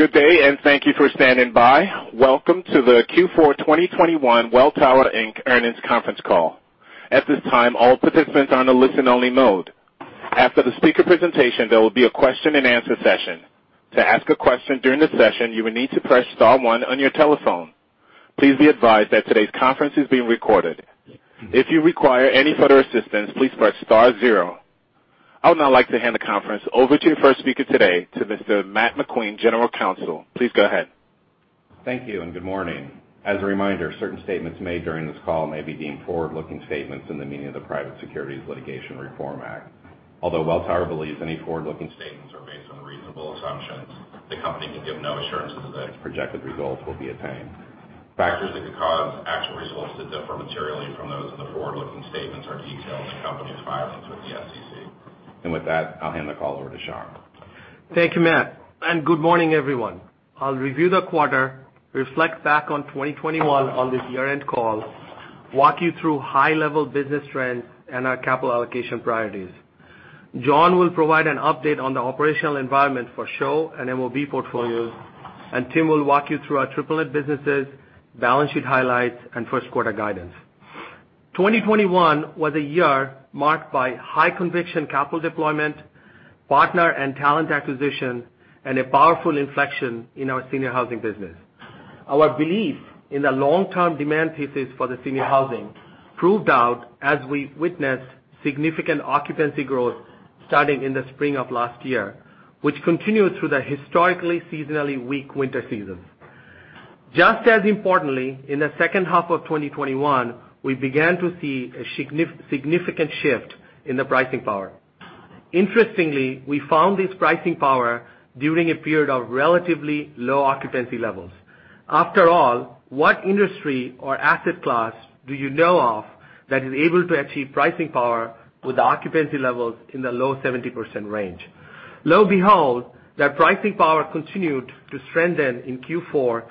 Good day, and thank you for standing by. Welcome to the Q4 2021 Welltower Inc earnings conference call. At this time, all participants are in a listen-only mode. After the speaker presentation, there will be a question-and-answer session. To ask a question during the session, you will need to press star one on your telephone. Please be advised that today's conference is being recorded. If you require any further assistance, please press star zero. I would now like to hand the conference over to your first speaker today, to Mr. Matt McQueen, general counsel. Please go ahead. Thank you and good morning. As a reminder, certain statements made during this call may be deemed forward-looking statements in the meaning of the Private Securities Litigation Reform Act. Although Welltower believes any forward-looking statements are based on reasonable assumptions, the company can give no assurances that its projected results will be attained. Factors that could cause actual results to differ materially from those in the forward-looking statements are detailed in the company's filings with the SEC. With that, I'll hand the call over to Shankh Mitra. Thank you, Matt, and good morning, everyone. I'll review the quarter, reflect back on 2021 on this year-end call, walk you through high level business trends and our capital allocation priorities. John will provide an update on the operational environment for SHO and MOB portfolios, and Tim will walk you through our triple net businesses, balance sheet highlights, and first quarter guidance. 2021 was a year marked by high conviction capital deployment, partner and talent acquisition, and a powerful inflection in our senior housing business. Our belief in the long-term demand thesis for the senior housing proved out as we witnessed significant occupancy growth starting in the spring of last year, which continued through the historically seasonally weak winter season. Just as importantly, in the second half of 2021, we began to see a significant shift in the pricing power. Interestingly, we found this pricing power during a period of relatively low occupancy levels. After all, what industry or asset class do you know of that is able to achieve pricing power with occupancy levels in the low 70% range? Lo and behold, that pricing power continued to strengthen in Q4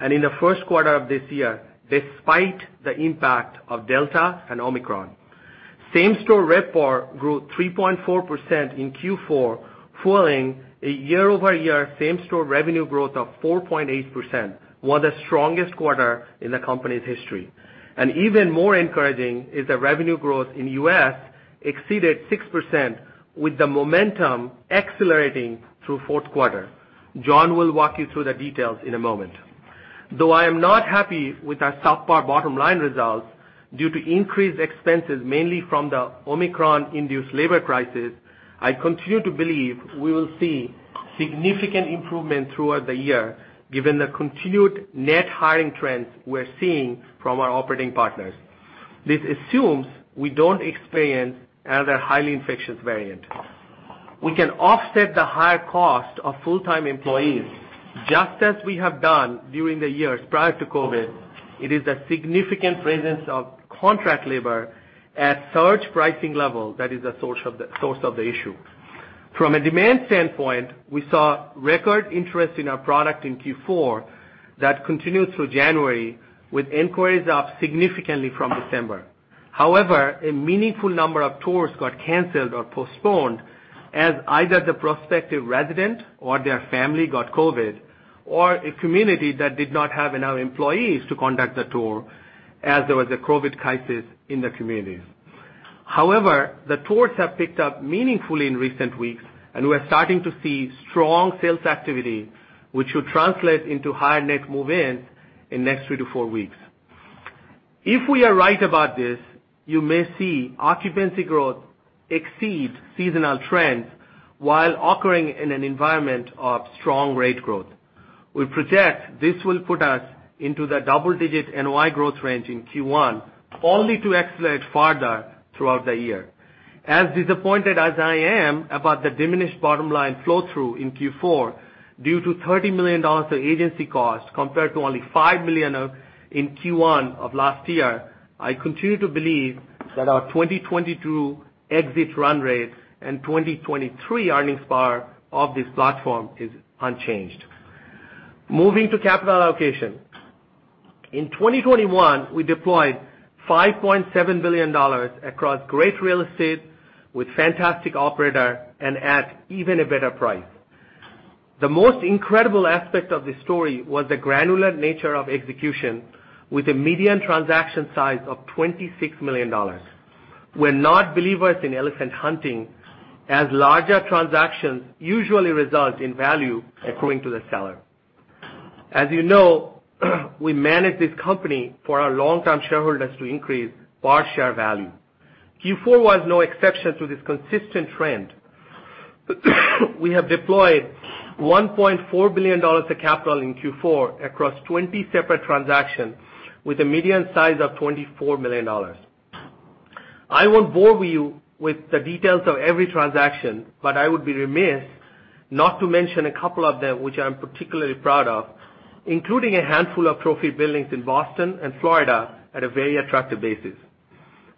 and in the first quarter of this year, despite the impact of Delta and Omicron. Same-store RevPAR grew 3.4% in Q4, fueling a year-over-year same-store revenue growth of 4.8%, one of the strongest quarter in the company's history. Even more encouraging is the revenue growth in the U.S. exceeded 6% with the momentum accelerating through fourth quarter. John will walk you through the details in a moment. Though I am not happy with our subpar bottom-line results due to increased expenses, mainly from the Omicron-induced labor crisis, I continue to believe we will see significant improvement throughout the year, given the continued net hiring trends we're seeing from our operating partners. This assumes we don't experience another highly infectious variant. We can offset the higher cost of full-time employees, just as we have done during the years prior to COVID. It is a significant presence of contract labor at surge pricing level that is the source of the issue. From a demand standpoint, we saw record interest in our product in Q4 that continued through January, with inquiries up significantly from December. However, a meaningful number of tours got canceled or postponed as either the prospective resident or their family got COVID, or a community that did not have enough employees to conduct the tour as there was a COVID crisis in the community. However, the tours have picked up meaningfully in recent weeks, and we're starting to see strong sales activity, which should translate into higher net move-ins in next three to four weeks. If we are right about this, you may see occupancy growth exceed seasonal trends while occurring in an environment of strong rate growth. We project this will put us into the double-digit NOI growth range in Q1, only to accelerate further throughout the year. As disappointed as I am about the diminished bottom-line flow through in Q4 due to $30 million of agency costs compared to only $5 million in Q1 of last year, I continue to believe that our 2022 exit run rate and 2023 earnings power of this platform is unchanged. Moving to capital allocation. In 2021, we deployed $5.7 billion across great real estate with fantastic operator and at even a better price. The most incredible aspect of this story was the granular nature of execution with a median transaction size of $26 million. We're not believers in elephant hunting, as larger transactions usually result in value accruing to the seller. As you know, we manage this company for our long-term shareholders to increase per share value. Q4 was no exception to this consistent trend. We have deployed $1.4 billion of capital in Q4 across 20 separate transactions with a median size of $24 million. I won't bore you with the details of every transaction, but I would be remiss not to mention a couple of them, which I'm particularly proud of, including a handful of trophy buildings in Boston and Florida at a very attractive basis.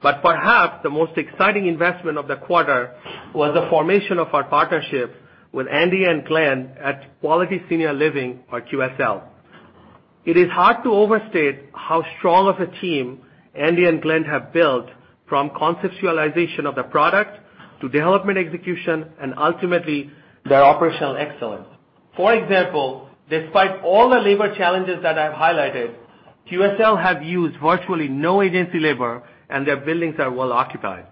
Perhaps the most exciting investment of the quarter was the formation of our partnership with Andy and Glenn at Quality Senior Living or QSL. It is hard to overstate how strong of a team Andy and Glenn have built from conceptualization of the product to development execution and ultimately their operational excellence. For example, despite all the labor challenges that I've highlighted, QSL have used virtually no agency labor and their buildings are well occupied.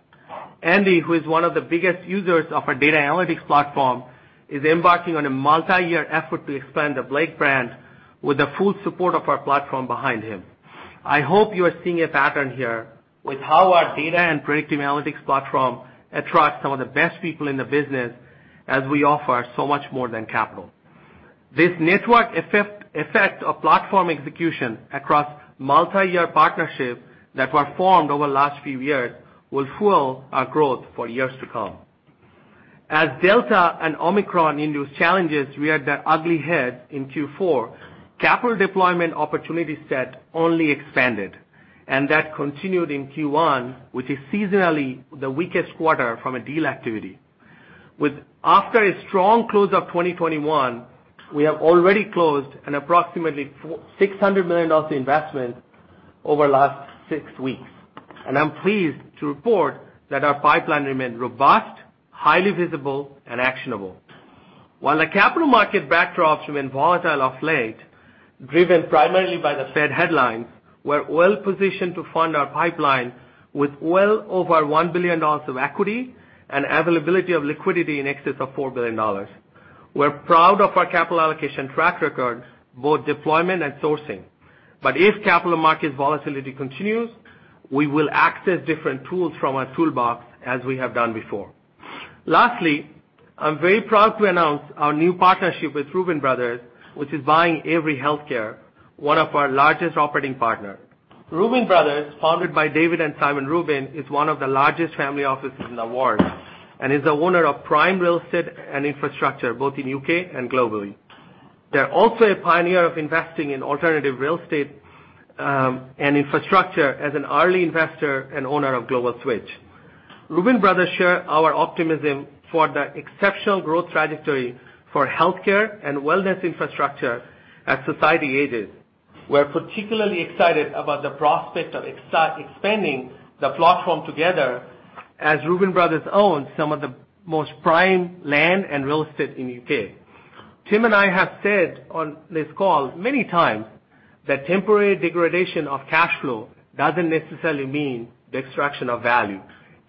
Andy, who is one of the biggest users of our data analytics platform, is embarking on a multi-year effort to expand The Blake brand with the full support of our platform behind him. I hope you are seeing a pattern here with how our data and predictive analytics platform attracts some of the best people in the business as we offer so much more than capital. This network effect of platform execution across multi-year partnerships that were formed over the last few years will fuel our growth for years to come. As Delta and Omicron-induced challenges reared their ugly head in Q4, capital deployment opportunity set only expanded, and that continued in Q1, which is seasonally the weakest quarter from a deal activity. After a strong close of 2021, we have already closed approximately $400 million-$600 million investment over the last six weeks. I'm pleased to report that our pipeline remains robust, highly visible, and actionable. While the capital market backdrop has been volatile of late, driven primarily by the Fed headlines, we're well-positioned to fund our pipeline with well over $1 billion of equity and availability of liquidity in excess of $4 billion. We're proud of our capital allocation track record, both deployment and sourcing. If capital market volatility continues, we will access different tools from our toolbox as we have done before. Lastly, I'm very proud to announce our new partnership with Reuben Brothers, which is buying Avery Healthcare, one of our largest operating partners. Reuben Brothers, founded by David and Simon Reuben, is one of the largest family offices in the world, and is the owner of prime real estate and infrastructure, both in U.K. and globally. They're also a pioneer of investing in alternative real estate and infrastructure as an early investor and owner of Global Switch. Reuben Brothers share our optimism for the exceptional growth trajectory for healthcare and wellness infrastructure as society ages. We're particularly excited about the prospect of expanding the platform together as Reuben Brothers owns some of the most prime land and real estate in U.K. Tim and I have said on this call many times that temporary degradation of cash flow doesn't necessarily mean the extraction of value.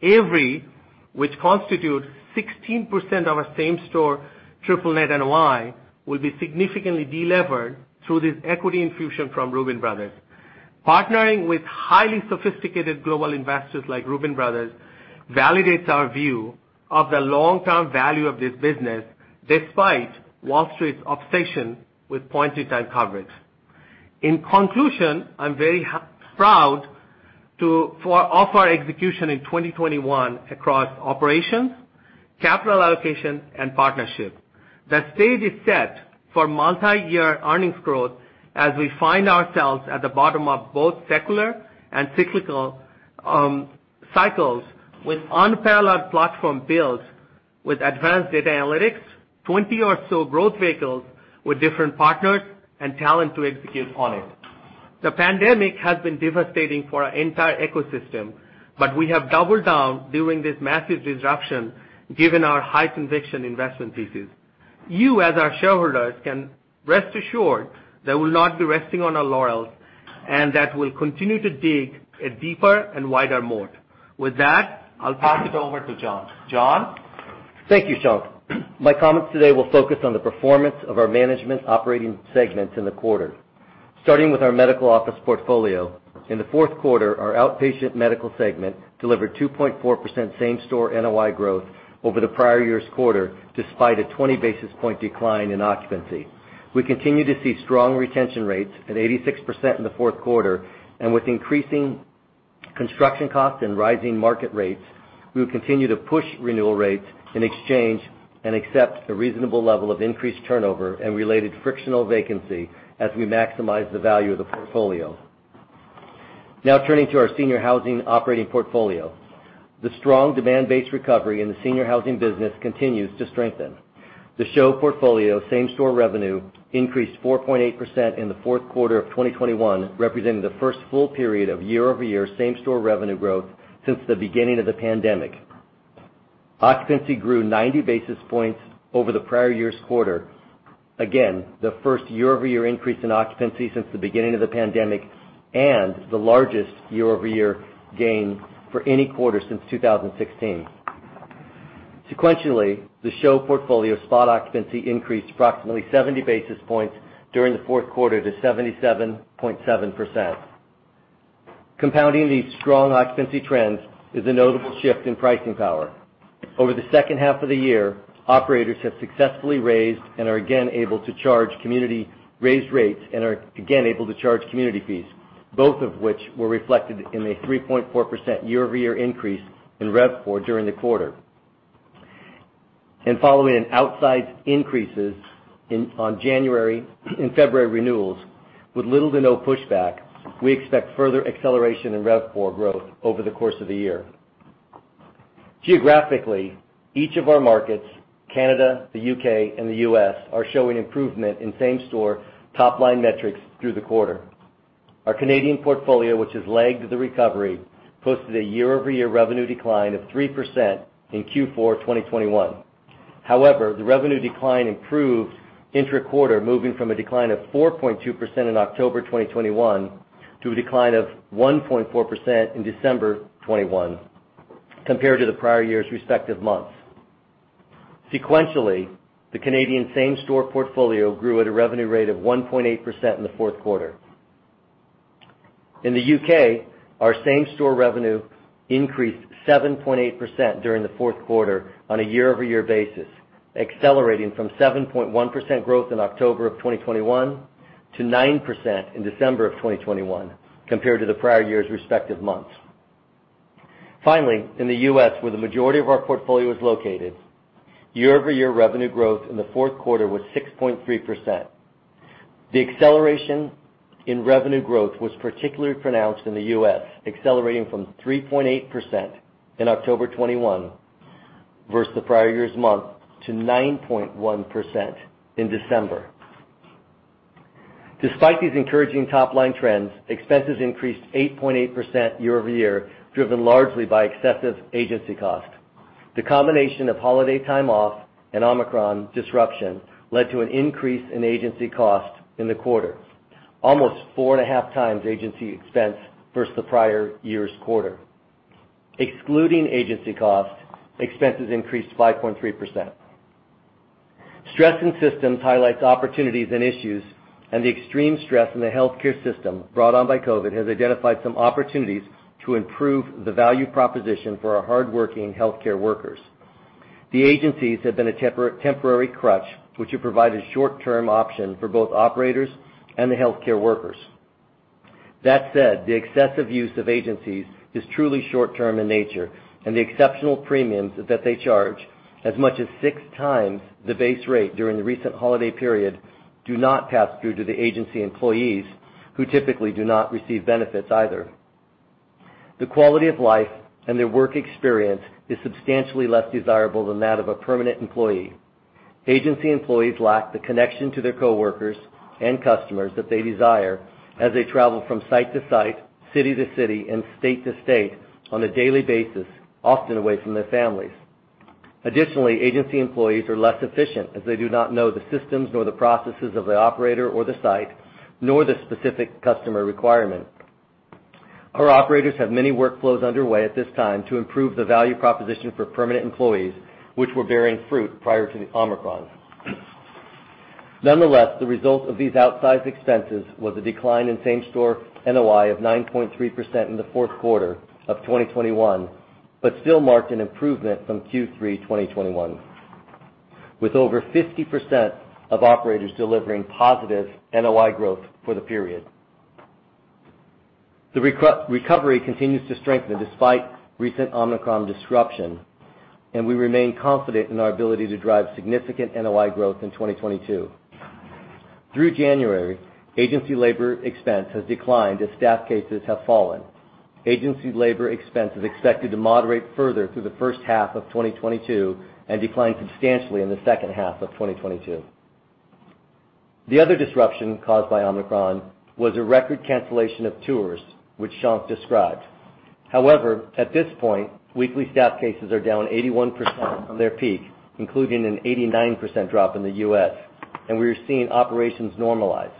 Avery, which constitutes 16% of our same-store triple net NOI, will be significantly delevered through this equity infusion from Reuben Brothers. Partnering with highly sophisticated global investors like Reuben Brothers validates our view of the long-term value of this business despite Wall Street's obsession with point-in-time coverage. In conclusion, I'm proud for all of our execution in 2021 across operations, capital allocation, and partnership. The stage is set for multi-year earnings growth as we find ourselves at the bottom of both secular and cyclical cycles with unparalleled platform builds with advanced data analytics, 20 or so growth vehicles with different partners and talent to execute on it. The pandemic has been devastating for our entire ecosystem, but we have doubled down during this massive disruption given our high conviction investment thesis. You, as our shareholders, can rest assured that we'll not be resting on our laurels and that we'll continue to dig a deeper and wider moat. With that, I'll pass it over to John. John? Thank you, Shankh. My comments today will focus on the performance of our management operating segments in the quarter. Starting with our medical office portfolio, in the fourth quarter, our outpatient medical segment delivered 2.4% same-store NOI growth over the prior year's quarter, despite a 20 basis point decline in occupancy. We continue to see strong retention rates at 86% in the fourth quarter, and with increasing construction costs and rising market rates, we will continue to push renewal rates in exchange and accept a reasonable level of increased turnover and related frictional vacancy as we maximize the value of the portfolio. Now turning to our senior housing operating portfolio. The strong demand-based recovery in the senior housing business continues to strengthen. The SHO portfolio same-store revenue increased 4.8% in the fourth quarter of 2021, representing the first full period of year-over-year same-store revenue growth since the beginning of the pandemic. Occupancy grew 90 basis points over the prior year's quarter, again, the first year-over-year increase in occupancy since the beginning of the pandemic and the largest year-over-year gain for any quarter since 2016. Sequentially, the SHO portfolio spot occupancy increased approximately 70 basis points during the fourth quarter to 77.7%. Compounding these strong occupancy trends is a notable shift in pricing power. Over the second half of the year, operators have successfully raised and are again able to charge community raised rates and are again able to charge community fees, both of which were reflected in a 3.4% year-over-year increase in RevPOR during the quarter. Following outsized increases in January, in February renewals with little to no pushback, we expect further acceleration in RevPOR growth over the course of the year. Geographically, each of our markets, Canada, the U.K., and the U.S., are showing improvement in same-store top-line metrics through the quarter. Our Canadian portfolio, which has lagged the recovery, posted a year-over-year revenue decline of 3% in Q4 2021. However, the revenue decline improved intra-quarter, moving from a decline of 4.2% in October 2021 to a decline of 1.4% in December 2021 compared to the prior year's respective months. Sequentially, the Canadian same-store portfolio grew at a revenue rate of 1.8% in the fourth quarter. In the U.K., our same-store revenue increased 7.8% during the fourth quarter on a year-over-year basis, accelerating from 7.1% growth in October 2021 to 9% in December 2021 compared to the prior year's respective months. Finally, in the U.S., where the majority of our portfolio is located, year-over-year revenue growth in the fourth quarter was 6.3%. The acceleration in revenue growth was particularly pronounced in the U.S., accelerating from 3.8% in October 2021 versus the prior year's month to 9.1% in December. Despite these encouraging top-line trends, expenses increased 8.8% year-over-year, driven largely by excessive agency costs. The combination of holiday time off and Omicron disruption led to an increase in agency costs in the quarter, almost 4.5x agency expense versus the prior year's quarter. Excluding agency costs, expenses increased 5.3%. Stress in systems highlights opportunities and issues, and the extreme stress in the healthcare system brought on by COVID has identified some opportunities to improve the value proposition for our hardworking healthcare workers. The agencies have been a temporary crutch, which have provided short-term option for both operators and the healthcare workers. That said, the excessive use of agencies is truly short-term in nature, and the exceptional premiums that they charge, as much as 6x the base rate during the recent holiday period, do not pass through to the agency employees, who typically do not receive benefits either. The quality of life and their work experience is substantially less desirable than that of a permanent employee. Agency employees lack the connection to their coworkers and customers that they desire as they travel from site to site, city to city, and state to state on a daily basis, often away from their families. Additionally, agency employees are less efficient as they do not know the systems nor the processes of the operator or the site, nor the specific customer requirement. Our operators have many workflows underway at this time to improve the value proposition for permanent employees, which were bearing fruit prior to the Omicron. Nonetheless, the result of these outsized expenses was a decline in same-store NOI of 9.3% in the fourth quarter of 2021, but still marked an improvement from Q3 2021, with over 50% of operators delivering positive NOI growth for the period. The recovery continues to strengthen despite recent Omicron disruption, and we remain confident in our ability to drive significant NOI growth in 2022. Through January, agency labor expense has declined as staff cases have fallen. Agency labor expense is expected to moderate further through the first half of 2022 and decline substantially in the second half of 2022. The other disruption caused by Omicron was a record cancellation of tours, which Shankh described. However, at this point, weekly staff cases are down 81% from their peak, including an 89% drop in the U.S., and we are seeing operations normalize.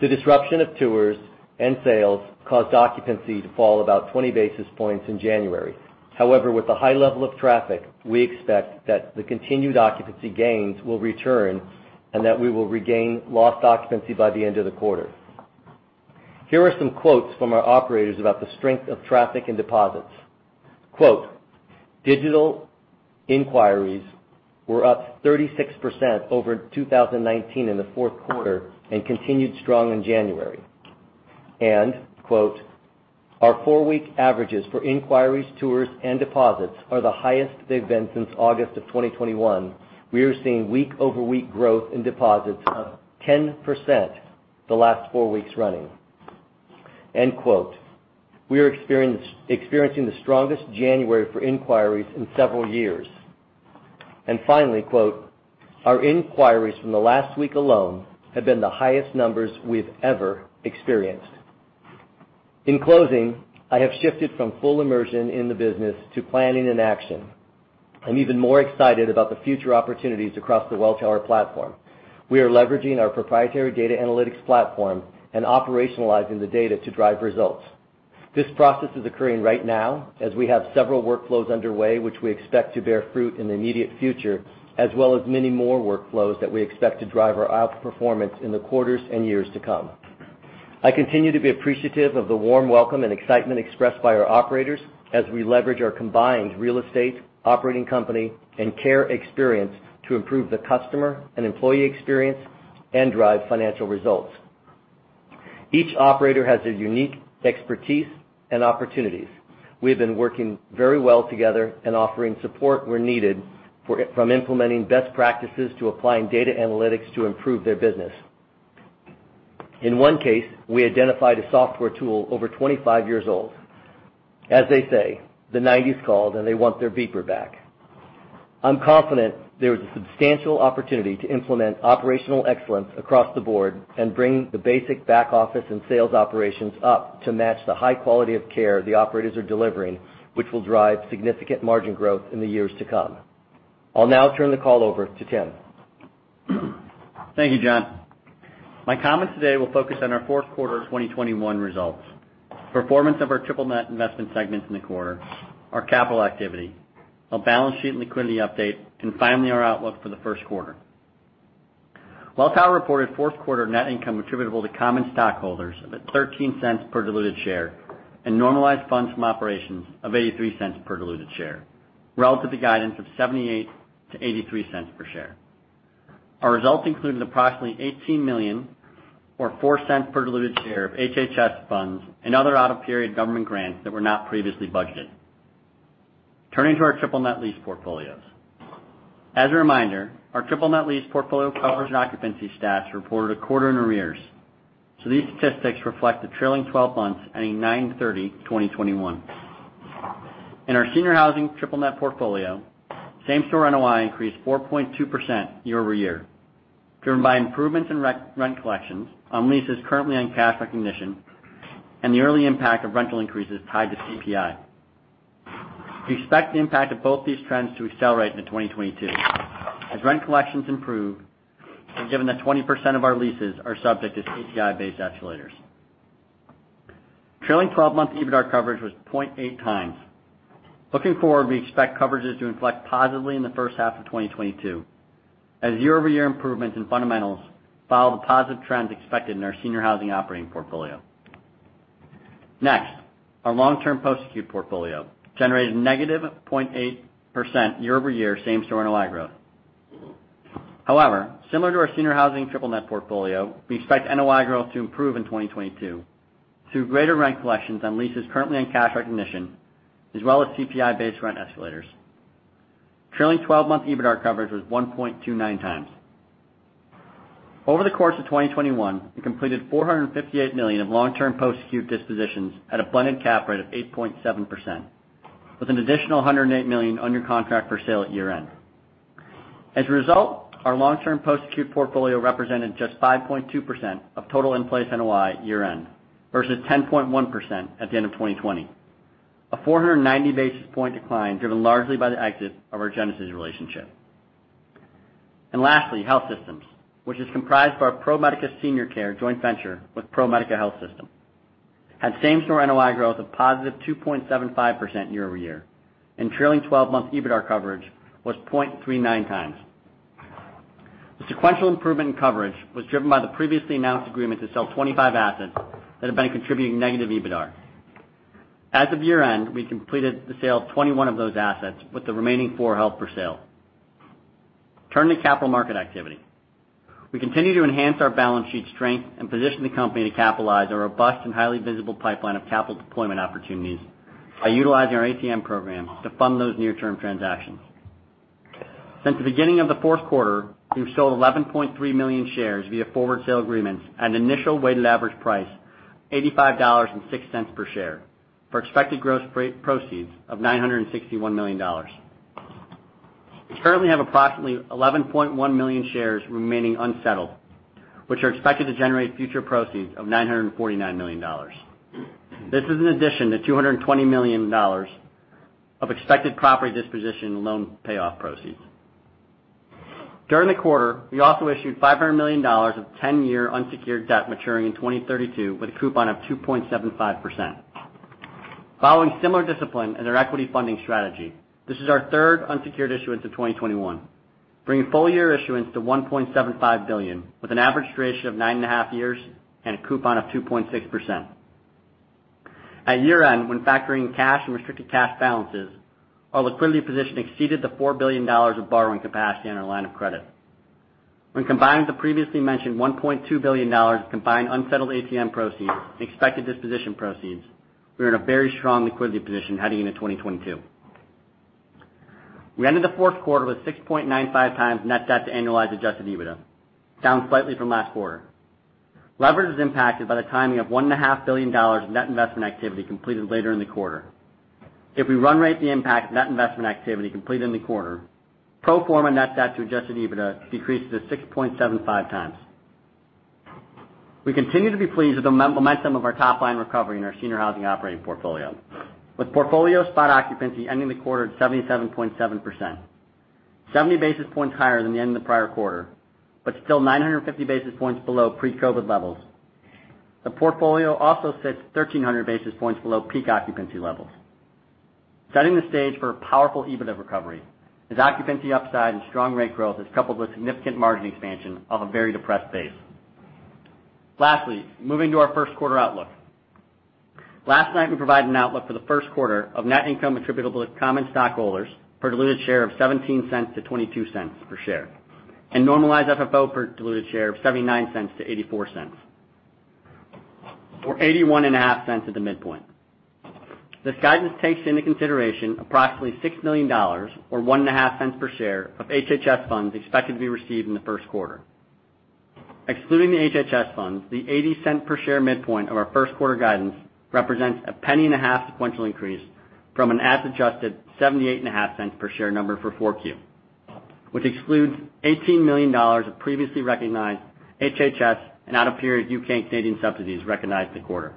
The disruption of tours and sales caused occupancy to fall about 20 basis points in January. However, with the high level of traffic, we expect that the continued occupancy gains will return and that we will regain lost occupancy by the end of the quarter. Here are some quotes from our operators about the strength of traffic and deposits. Quote, "Digital inquiries were up 36% over 2019 in the fourth quarter and continued strong in January." And quote, "Our four-week averages for inquiries, tours, and deposits are the highest they've been since August of 2021. We are seeing week-over-week growth in deposits of 10% the last four weeks running." End quote. We are experiencing the strongest January for inquiries in several years." Finally, quote, "Our inquiries from the last week alone have been the highest numbers we've ever experienced." In closing, I have shifted from full immersion in the business to planning and action. I'm even more excited about the future opportunities across the Welltower platform. We are leveraging our proprietary data analytics platform and operationalizing the data to drive results. This process is occurring right now as we have several workflows underway, which we expect to bear fruit in the immediate future, as well as many more workflows that we expect to drive our outperformance in the quarters and years to come. I continue to be appreciative of the warm welcome and excitement expressed by our operators as we leverage our combined real estate, operating company, and care experience to improve the customer and employee experience and drive financial results. Each operator has a unique expertise and opportunities. We have been working very well together and offering support where needed from implementing best practices to applying data analytics to improve their business. In one case, we identified a software tool over 25 years old. As they say, the nineties called, and they want their beeper back. I'm confident there is a substantial opportunity to implement operational excellence across the board and bring the basic back-office and sales operations up to match the high quality of care the operators are delivering, which will drive significant margin growth in the years to come. I'll now turn the call over to Tim. Thank you, John. My comments today will focus on our fourth quarter of 2021 results, performance of our triple net investment segments in the quarter, our capital activity, our balance sheet and liquidity update, and finally, our outlook for the first quarter. Welltower reported fourth quarter net income attributable to common stockholders of $0.13 per diluted share and normalized funds from operations of $0.83 per diluted share relative to guidance of $0.78-$0.83 per share. Our results included approximately $18 million or $0.04 per diluted share of HHS funds and other out-of-period government grants that were not previously budgeted. Turning to our triple net lease portfolios. As a reminder, our triple net lease portfolio coverage and occupancy stats reported a quarter in arrears, so these statistics reflect the trailing 12 months ending 9/30/2021. In our senior housing triple net portfolio, same-store NOI increased 4.2% year-over-year, driven by improvements in rent collections on leases currently on cash recognition and the early impact of rental increases tied to CPI. We expect the impact of both these trends to accelerate into 2022 as rent collections improve and given that 20% of our leases are subject to CPI-based escalators. Trailing 12-month EBITDAR coverage was 0.8x. Looking forward, we expect coverages to inflect positively in the first half of 2022 as year-over-year improvements in fundamentals follow the positive trends expected in our senior housing operating portfolio. Next, our long-term post-acute portfolio generated -0.8% year-over-year same-store NOI growth. However, similar to our senior housing triple net portfolio, we expect NOI growth to improve in 2022 through greater rent collections on leases currently on cash recognition, as well as CPI-based rent escalators. Trailing 12-month EBITDAR coverage was 1.29x. Over the course of 2021, we completed $458 million of long-term post-acute dispositions at a blended cap rate of 8.7%, with an additional $108 million under contract for sale at year-end. As a result, our long-term post-acute portfolio represented just 5.2% of total in-place NOI at year-end versus 10.1% at the end of 2020. A 490 basis point decline driven largely by the exit of our Genesis relationship. Lastly, health systems, which is comprised of our ProMedica Senior Care joint venture with ProMedica Health System, had same-store NOI growth of positive 2.75% year-over-year, and trailing 12-month EBITDAR coverage was 0.39x. The sequential improvement in coverage was driven by the previously announced agreement to sell 25 assets that have been contributing negative EBITDAR. As of year-end, we completed the sale of 21 of those assets with the remaining four held for sale. Turning to capital market activity. We continue to enhance our balance sheet strength and position the company to capitalize our robust and highly visible pipeline of capital deployment opportunities by utilizing our ATM program to fund those near-term transactions. Since the beginning of the fourth quarter, we've sold 11.3 million shares via forward sale agreements at an initial weighted average price $85.06 per share for expected gross base proceeds of $961 million. We currently have approximately 11.1 million shares remaining unsettled, which are expected to generate future proceeds of $949 million. This is in addition to $220 million of expected property disposition loan payoff proceeds. During the quarter, we also issued $500 million of 10-year unsecured debt maturing in 2032 with a coupon of 2.75%. Following similar discipline in our equity funding strategy, this is our third unsecured issuance of 2021, bringing full year issuance to $1.75 billion, with an average duration of 9.5 years and a coupon of 2.6%. At year-end, when factoring cash and restricted cash balances, our liquidity position exceeded the $4 billion of borrowing capacity on our line of credit. When combined with the previously mentioned $1.2 billion of combined unsettled ATM proceeds and expected disposition proceeds, we are in a very strong liquidity position heading into 2022. We ended the fourth quarter with 6.95x net debt to annualized adjusted EBITDA, down slightly from last quarter. Leverage is impacted by the timing of $1.5 billion in net investment activity completed later in the quarter. If we run rate the impact of net investment activity completed in the quarter, pro forma net debt to adjusted EBITDA decreased to 6.75x. We continue to be pleased with the momentum of our top-line recovery in our senior housing operating portfolio, with portfolio spot occupancy ending the quarter at 77.7%, 70 basis points higher than the end of the prior quarter, but still 950 basis points below pre-COVID levels. The portfolio also sits 1,300 basis points below peak occupancy levels, setting the stage for a powerful EBITDA recovery as occupancy upside and strong rent growth is coupled with significant margin expansion off a very depressed base. Lastly, moving to our first quarter outlook. Last night, we provided an outlook for the first quarter of net income attributable to common stockholders per diluted share of $0.17-$0.22 per share and normalized FFO per diluted share of $0.79-$0.84. $0.815 at the midpoint. This guidance takes into consideration approximately $6 million or $0.015 per share of HHS funds expected to be received in the first quarter. Excluding the HHS funds, the $0.80 per share midpoint of our first quarter guidance represents a $0.015 sequential increase from an as adjusted $0.785 per share number for 4Q, which excludes $18 million of previously recognized HHS and out-of-period U.K. and Canadian subsidies recognized in the quarter.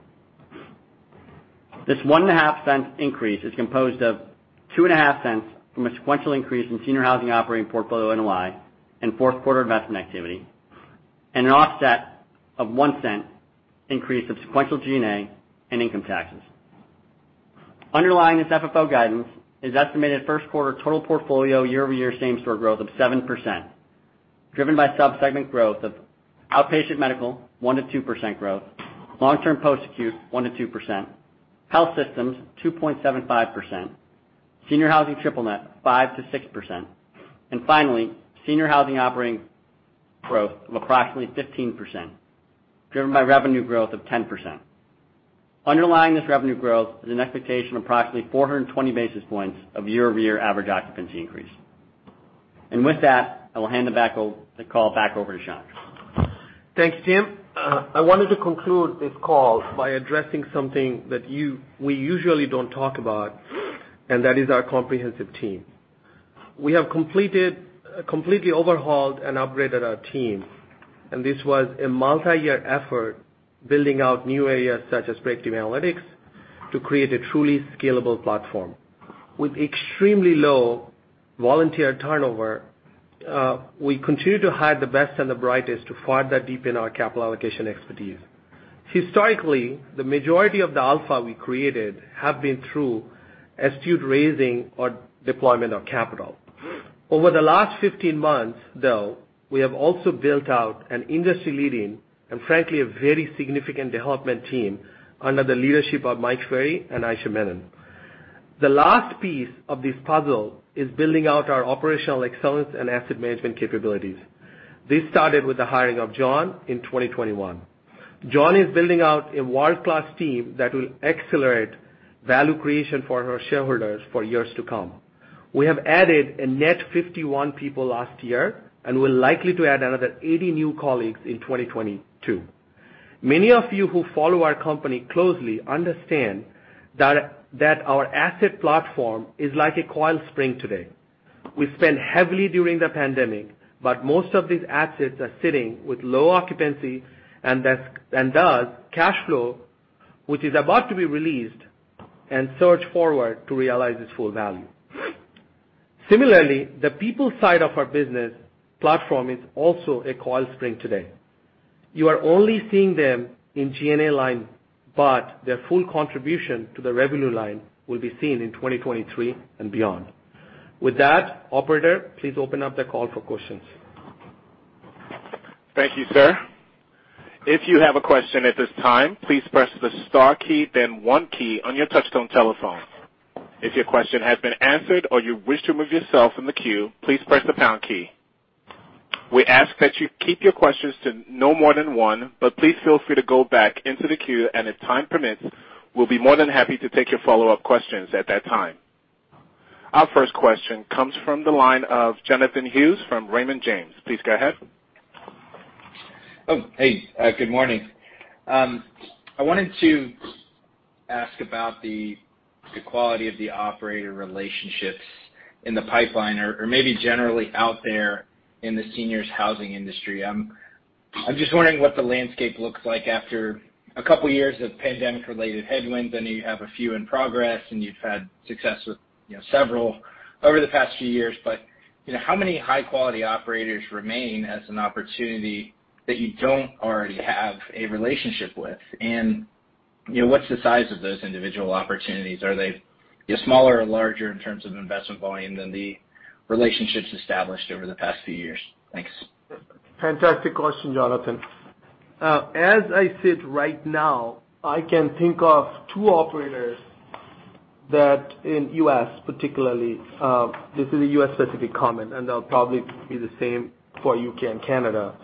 This $0.015 increase is composed of $0.025 from a sequential increase in senior housing operating portfolio NOI and fourth quarter investment activity, and an offset of $0.01 increase of sequential G&A and income taxes. Underlying this FFO guidance is estimated first quarter total portfolio year-over-year same-store growth of 7%, driven by sub-segment growth of outpatient medical, 1%-2% growth, long-term post-acute, 1%-2%, health systems, 2.75%, senior housing triple net, 5%-6%, and finally, senior housing operating growth of approximately 15%, driven by revenue growth of 10%. Underlying this revenue growth is an expectation of approximately 420 basis points of year-over-year average occupancy increase. With that, I will hand it back over to Shankh. Thanks, Tim. I wanted to conclude this call by addressing something that we usually don't talk about, and that is our comprehensive team. We have completely overhauled and upgraded our team, and this was a multi-year effort building out new areas such as predictive analytics to create a truly scalable platform. With extremely low volunteer turnover, we continue to hire the best and the brightest to further deepen our capital allocation expertise. Historically, the majority of the alpha we created have been through astute raising or deployment of capital. Over the last 15 months, though, we have also built out an industry-leading and, frankly, a very significant development team under the leadership of Mike Ferry and Ayesha Menon. The last piece of this puzzle is building out our operational excellence and asset management capabilities. This started with the hiring of John in 2021. John is building out a world-class team that will accelerate value creation for our shareholders for years to come. We have added a net 51 people last year, and we're likely to add another 80 new colleagues in 2022. Many of you who follow our company closely understand that our asset platform is like a coiled spring today. We spent heavily during the pandemic, but most of these assets are sitting with low occupancy and thus cash flow, which is about to be released and surge forward to realize its full value. Similarly, the people side of our business platform is also a coiled spring today. You are only seeing them in G&A line, but their full contribution to the revenue line will be seen in 2023 and beyond. With that, operator, please open up the call for questions. Thank you, sir. If you have a question at this time, please press the star key, then one key on your touchtone telephone. If your question has been answered or you wish to remove yourself from the queue, please press the pound key. We ask that you keep your questions to no more than one, but please feel free to go back into the queue, and if time permits, we'll be more than happy to take your follow-up questions at that time. Our first question comes from the line of Jonathan Hughes from Raymond James. Please go ahead. Good morning. I wanted to ask about the quality of the operator relationships in the pipeline or maybe generally out there in the seniors housing industry. I'm just wondering what the landscape looks like after a couple years of pandemic-related headwinds. I know you have a few in progress, and you've had success with, you know, several over the past few years. But, you know, how many high-quality operators remain as an opportunity that you don't already have a relationship with? And, you know, what's the size of those individual opportunities? Are they smaller or larger in terms of investment volume than the relationships established over the past few years? Thanks. Fantastic question, Jonathan. As I sit right now, I can think of two operators that in U.S. particularly, this is a U.S.-specific comment, and they'll probably be the same for U.K. and Canada,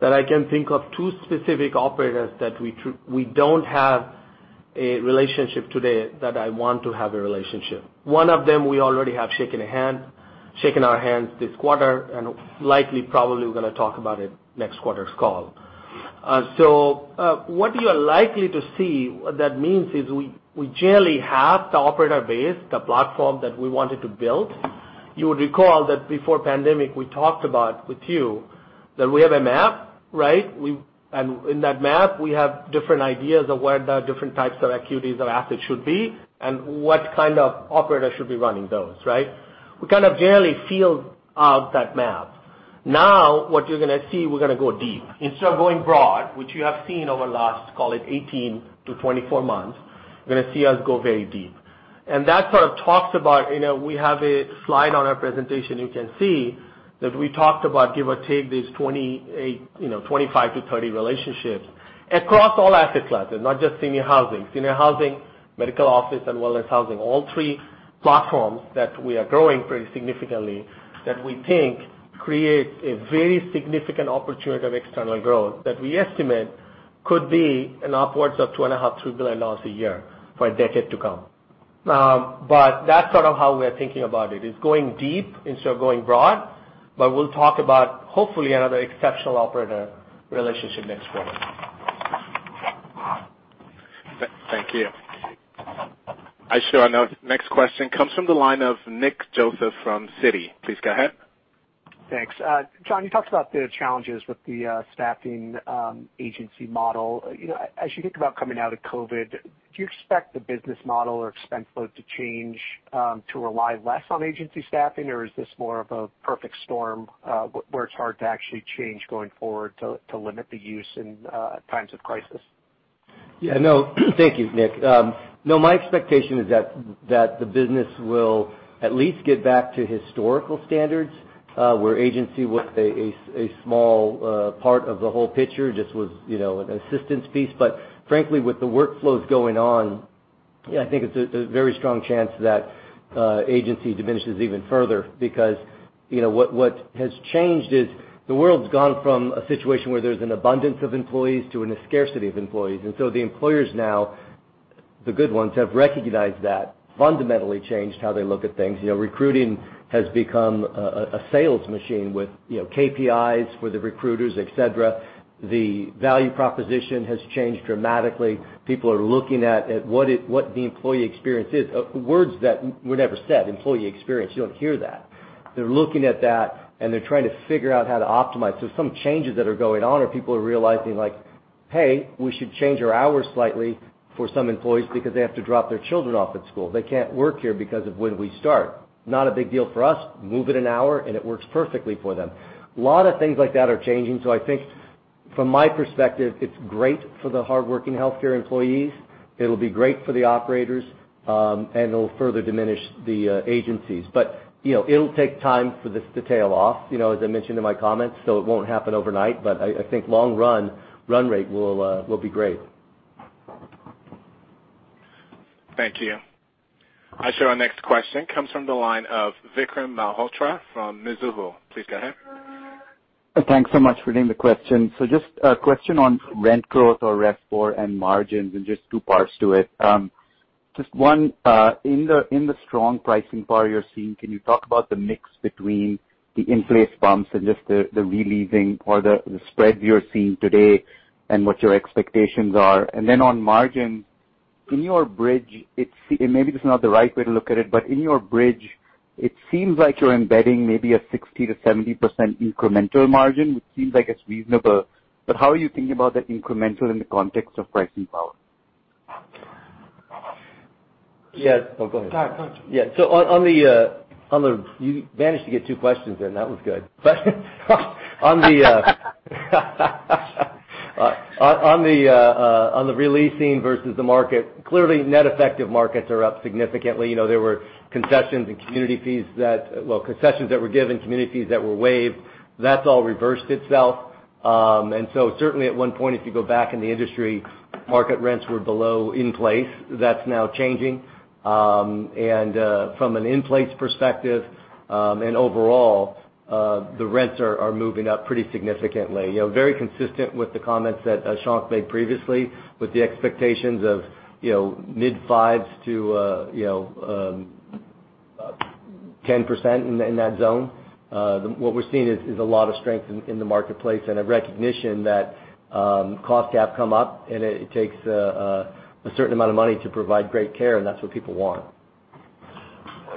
that I can think of two specific operators that we don't have a relationship today that I want to have a relationship. One of them, we already have shaken our hands this quarter and likely probably we're gonna talk about it next quarter's call. What you are likely to see, what that means is we generally have the operator base, the platform that we wanted to build. You would recall that before pandemic, we talked about with you that we have a map, right? In that map, we have different ideas of where the different types of acuities or assets should be and what kind of operators should be running those, right? We kind of generally filled out that map. Now what you're gonna see, we're gonna go deep. Instead of going broad, which you have seen over the last, call it 18-24 months, you're gonna see us go very deep. That sort of talks about, you know, we have a slide on our presentation you can see that we talked about give or take these 28, you know, 25-30 relationships across all asset classes, not just senior housing. Senior housing, medical office, and wellness housing, all three platforms that we are growing pretty significantly that we think create a very significant opportunity of external growth that we estimate could be upwards of $2.5 billion-$3 billion a year for a decade to come. That's sort of how we're thinking about it. It's going deep instead of going broad, but we'll talk about hopefully another exceptional operator relationship next quarter. Thank you. Our next question comes from the line of Nick Joseph from Citi. Please go ahead. Thanks. John, you talked about the challenges with the staffing agency model. You know, as you think about coming out of COVID, do you expect the business model or expense float to change to rely less on agency staffing or is this more of a perfect storm where it's hard to actually change going forward to limit the use in times of crisis? Yeah, no. Thank you, Nick. No, my expectation is that the business will at least get back to historical standards, where agency was a small part of the whole picture, just was, you know, an assistance piece. But frankly, with the workflows going on, I think it's a very strong chance that agency diminishes even further because, you know, what has changed is the world's gone from a situation where there's an abundance of employees to a scarcity of employees. The employers now, the good ones, have recognized that, fundamentally changed how they look at things. You know, recruiting has become a sales machine with, you know, KPIs for the recruiters, et cetera. The value proposition has changed dramatically. People are looking at what the employee experience is. Words that were never said, employee experience, you don't hear that. They're looking at that, and they're trying to figure out how to optimize. Some changes that are going on are people are realizing, like, "Hey, we should change our hours slightly for some employees because they have to drop their children off at school. They can't work here because of when we start." Not a big deal for us, move it an hour and it works perfectly for them. A lot of things like that are changing. I think from my perspective, it's great for the hardworking healthcare employees. It'll be great for the operators, and it'll further diminish the agencies. You know, it'll take time for this to tail off, you know, as I mentioned in my comments, so it won't happen overnight. I think long-run run rate will be great. Thank you. Our next question comes from the line of Vikram Malhotra from Mizuho. Please go ahead. Thanks so much for taking the question. Just a question on rent growth or RevPAR and margins, and just two parts to it. Just one, in the strong pricing power you're seeing, can you talk about the mix between the in-place bumps and just the re-leasing or the spread you're seeing today and what your expectations are? Then on margin, in your bridge, it seems like you're embedding maybe a 60%-70% incremental margin, which seems like it's reasonable, but how are you thinking about that incremental in the context of pricing power? Yes. Oh, go ahead. No, go on. You managed to get 2 questions in. That was good. On the re-leasing versus the market, clearly net effective markets are up significantly. You know, there were concessions and community fees, well, concessions that were given, community fees that were waived. That's all reversed itself. Certainly at one point, if you go back in the industry, market rents were below in-place. That's now changing. From an in-place perspective, and overall, the rents are moving up pretty significantly. You know, very consistent with the comments that Shankh made previously with the expectations of, you know, mid-5s to 10% in that zone. What we're seeing is a lot of strength in the marketplace and a recognition that cost have come up and it takes a certain amount of money to provide great care, and that's what people want.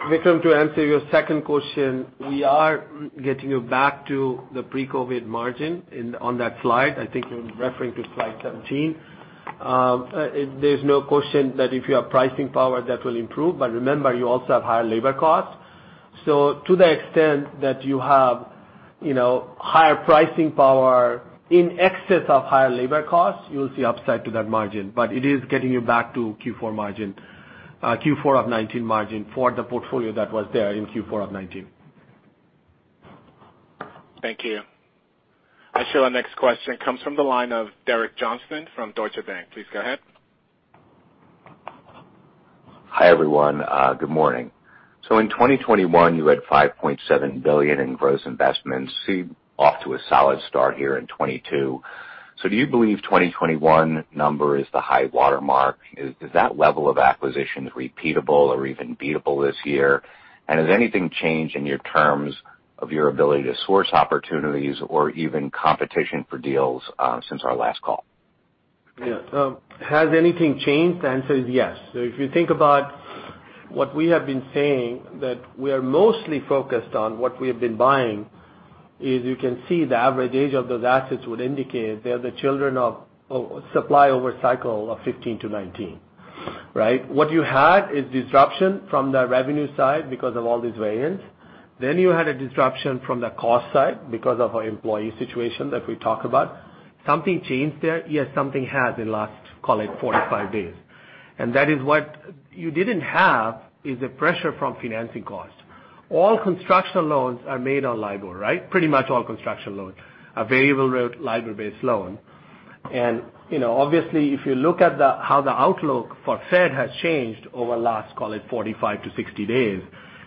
Vikram, to answer your second question, we are getting you back to the pre-COVID margin on that slide. I think you're referring to slide 17. There's no question that if you have pricing power, that will improve. But remember, you also have higher labor costs. So to the extent that you have, you know, higher pricing power in excess of higher labor costs, you'll see upside to that margin. But it is getting you back to Q4 margin, Q4 of 2019 margin for the portfolio that was there in Q4 of 2019. Thank you. Our next question comes from the line of Derek Johnston from Deutsche Bank. Please go ahead. Hi, everyone. Good morning. In 2021, you had $5.7 billion in gross investments. Seems off to a solid start here in 2022. Do you believe 2021 number is the high watermark? Is that level of acquisitions repeatable or even beatable this year? Has anything changed in your terms of your ability to source opportunities or even competition for deals since our last call? Yeah. Has anything changed? The answer is yes. If you think about what we have been saying, that we are mostly focused on what we have been buying, you can see the average age of those assets would indicate they are the children of supply over cycle of 2015 to 2019, right? What you had is disruption from the revenue side because of all these variants. You had a disruption from the cost side because of our employee situation that we talked about. Something changed there? Yes, something has in the last, call it 45 days. That is what you didn't have is the pressure from financing costs. All construction loans are made on LIBOR, right? Pretty much all construction loans are variable rate LIBOR-based loans. You know, obviously, if you look at how the outlook for the Fed has changed over the last, call it 45-60 days,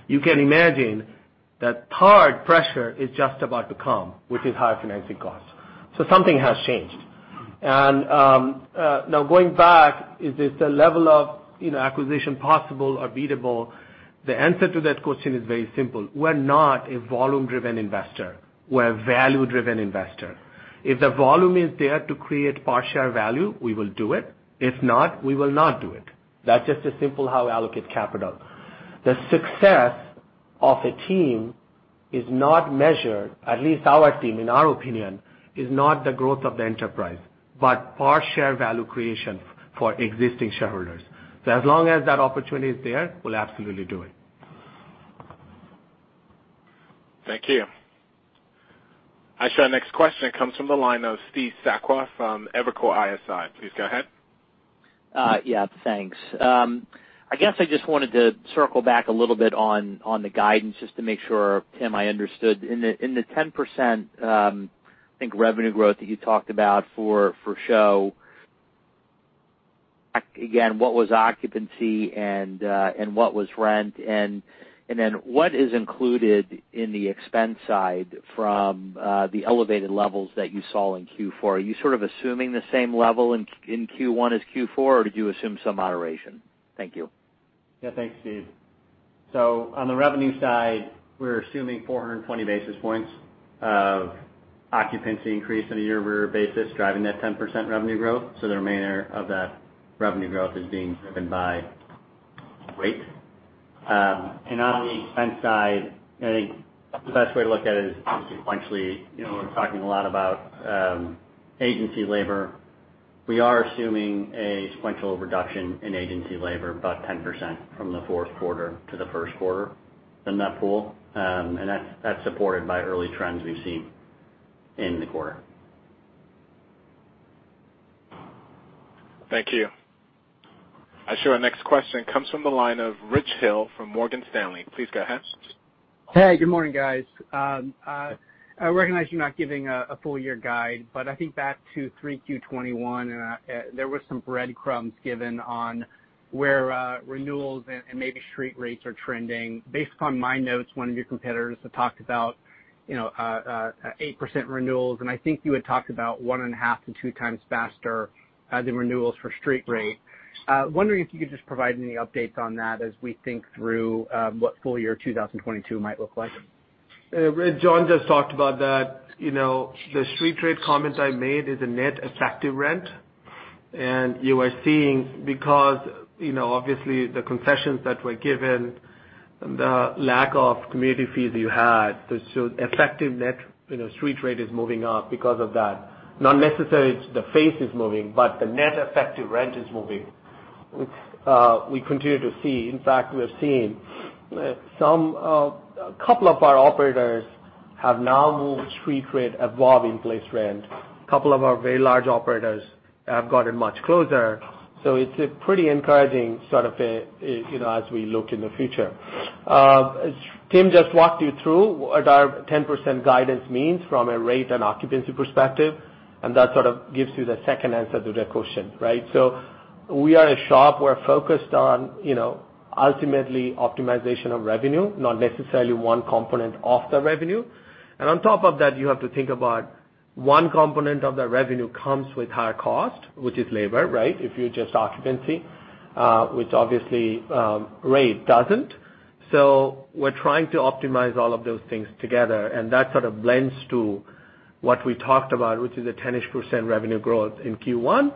you can imagine that third pressure is just about to come, which is higher financing costs. Something has changed. Now going back, is this the level of, you know, acquisition possible or beatable? The answer to that question is very simple. We're not a volume-driven investor. We're a value-driven investor. If the volume is there to create per-share value, we will do it. If not, we will not do it. That's just a simple how allocate capital. The success of a team is not measured, at least our team, in our opinion, is not the growth of the enterprise, but per share value creation for existing shareholders. As long as that opportunity is there, we'll absolutely do it. Thank you. Our next question comes from the line of Steve Sakwa from Evercore ISI. Please go ahead. Yeah, thanks. I guess I just wanted to circle back a little bit on the guidance just to make sure, Tim, I understood. In the 10%, I think, revenue growth that you talked about for SHO, again, what was occupancy and what was rent? What is included in the expense side from the elevated levels that you saw in Q4? Are you sort of assuming the same level in Q1 as Q4, or did you assume some moderation? Thank you. Yeah. Thanks, Steve. On the revenue side, we're assuming 420 basis points of occupancy increase on a year-over-year basis, driving that 10% revenue growth. The remainder of that revenue growth is being driven by rate. On the expense side, I think the best way to look at it is sequentially. We're talking a lot about agency labor. We are assuming a sequential reduction in agency labor, about 10% from the fourth quarter to the first quarter in that pool. That's supported by early trends we've seen in the quarter. Thank you. Our, our next question comes from the line of Richard Hill from Morgan Stanley. Please go ahead. Hey, good morning, guys. I recognize you're not giving a full year guide, but I think back to 3Q 2021, there was some breadcrumbs given on where renewals and maybe street rates are trending. Based on my notes, one of your competitors have talked about, you know, 8% renewals, and I think you had talked about 1.5x-2x faster the renewals for street rate. Wondering if you could just provide any updates on that as we think through what full year 2022 might look like. Rich, John just talked about that. You know, the street rate comments I made is a net effective rent. You are seeing because, you know, obviously the concessions that were given, the lack of community fees you had, the effective net, you know, street rate is moving up because of that. Not necessarily the face is moving, but the net effective rent is moving, which, we continue to see. In fact, we're seeing some, a couple of our operators have now moved street rate above in-place rent. Couple of our very large operators have gotten much closer. It's a pretty encouraging sort of, you know, as we look in the future. Tim just walked you through what our 10% guidance means from a rate and occupancy perspective, and that sort of gives you the second answer to that question, right? We are a SHOP. We're focused on, you know, ultimately optimization of revenue, not necessarily one component of the revenue. On top of that, you have to think about one component of the revenue comes with higher cost, which is labor, right? If you're just occupancy, which obviously rate doesn't. We're trying to optimize all of those things together, and that sort of blends to what we talked about, which is a 10%-ish% revenue growth in Q1,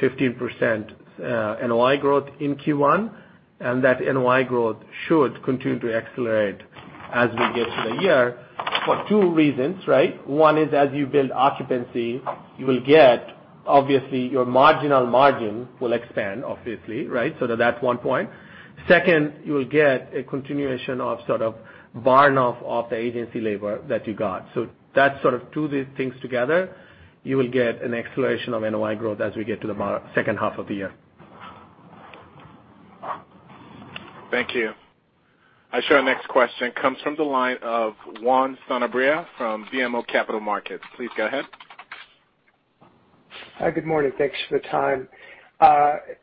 15% NOI growth in Q1, and that NOI growth should continue to accelerate as we get to the year for two reasons, right? One is, as you build occupancy, you will get, obviously, your marginal margin will expand obviously, right? That's one point. Second, you will get a continuation of sort of burn off the agency labor that you got. That's sort of two things together. You will get an acceleration of NOI growth as we get to the second half of the year. Thank you. Our next question comes from the line of Juan Sanabria from BMO Capital Markets. Please go ahead. Hi. Good morning. Thanks for the time.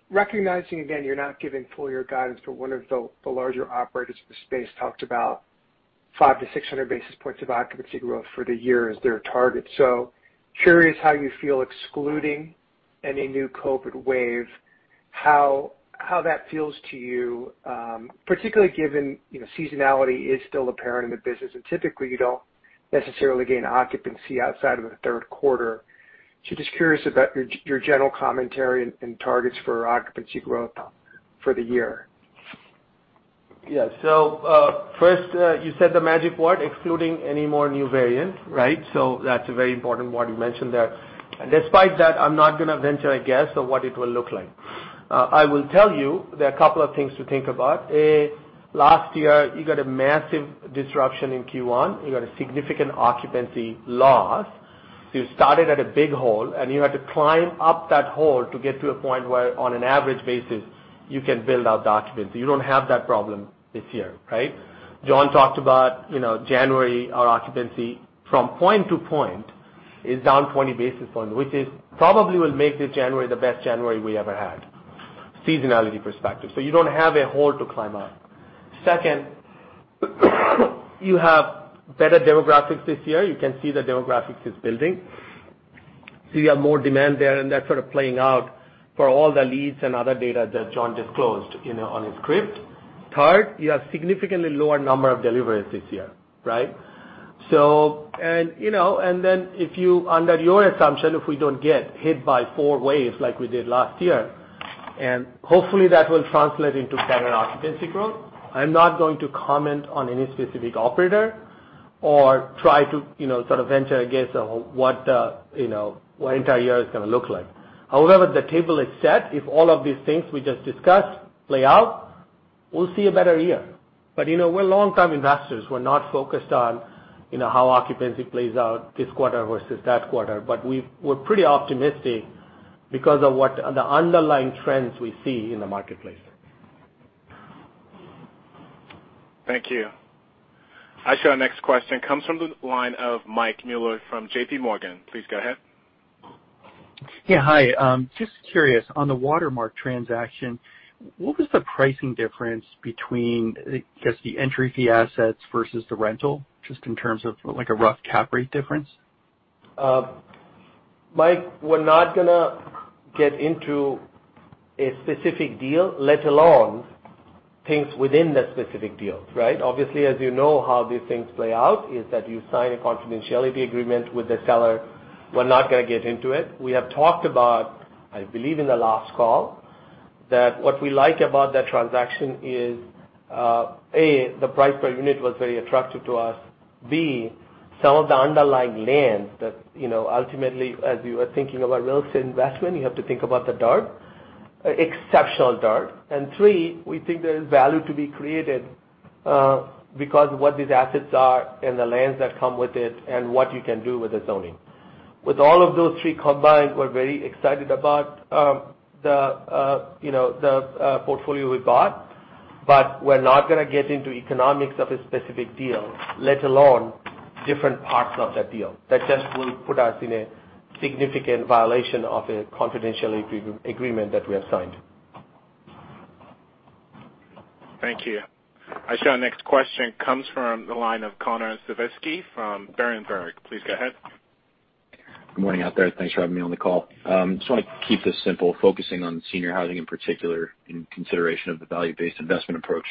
Recognizing, again, you're not giving full year guidance, but one of the larger operators in the space talked about 500 basis points-600 basis points of occupancy growth for the year as their target. Curious how you feel excluding any new COVID wave, how that feels to you, particularly given, you know, seasonality is still apparent in the business, and typically you don't necessarily gain occupancy outside of the third quarter. Just curious about your general commentary and targets for occupancy growth for the year. Yeah. First, you said the magic word, excluding any more new variant, right? That's a very important word you mentioned there. Despite that, I'm not gonna venture a guess of what it will look like. I will tell you there are a couple of things to think about. A, last year, you got a massive disruption in Q1. You got a significant occupancy loss. You started at a big hole, and you had to climb up that hole to get to a point where, on an average basis, you can build out the occupancy. You don't have that problem this year, right? John talked about, you know, January, our occupancy from point to point is down 20 basis points, which probably will make this January the best January we ever had from a seasonality perspective. You don't have a hole to climb up. Second, you have better demographics this year. You can see the demographics is building. You have more demand there, and that's sort of playing out for all the leads and other data that John disclosed, you know, on his script. Third, you have significantly lower number of deliveries this year, right? Under your assumption, if we don't get hit by four waves like we did last year, and hopefully that will translate into better occupancy growth. I'm not going to comment on any specific operator or try to, you know, sort of venture a guess on what the entire year is gonna look like. However, the table is set. If all of these things we just discussed play out, we'll see a better year. You know, we're longtime investors. We're not focused on, you know, how occupancy plays out this quarter versus that quarter. We're pretty optimistic because of what the underlying trends we see in the marketplace. Thank you. Our next question comes from the line of Michael Mueller from JPMorgan. Please go ahead. Hi. Just curious, on the Watermark transaction, what was the pricing difference between, I guess, the entry fee assets versus the rental, just in terms of like a rough cap rate difference? Mike, we're not gonna get into a specific deal, let alone things within that specific deal, right? Obviously, as you know how these things play out, is that you sign a confidentiality agreement with the seller. We're not gonna get into it. We have talked about, I believe in the last call, that what we like about that transaction is, A, the price per unit was very attractive to us. B, some of the underlying lands that, you know, ultimately, as you are thinking about real estate investment, you have to think about the dirt, exceptional dirt. Three, we think there is value to be created, because what these assets are and the lands that come with it and what you can do with the zoning. With all of those three combined, we're very excited about the you know the portfolio we bought, but we're not gonna get into economics of a specific deal, let alone different parts of that deal. That just will put us in a significant violation of a confidential agreement that we have signed. Thank you. Our next question comes from the line of Connor Siversky from Berenberg. Please go ahead. Good morning out there. Thanks for having me on the call. Just wanna keep this simple, focusing on senior housing in particular in consideration of the value-based investment approach.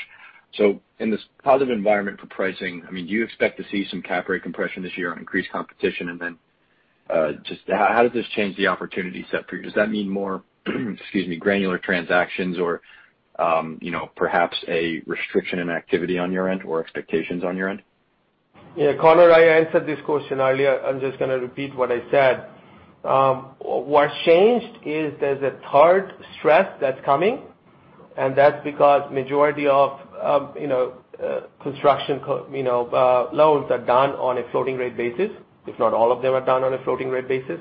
In this positive environment for pricing, I mean, do you expect to see some cap rate compression this year on increased competition? Then, just how does this change the opportunity set for you? Does that mean more, excuse me, granular transactions or, you know, perhaps a restriction in activity on your end or expectations on your end? Yeah, Connor, I answered this question earlier. I'm just gonna repeat what I said. What's changed is there's a third stress that's coming, and that's because majority of, you know, construction loans are done on a floating rate basis, if not all of them are done on a floating rate basis.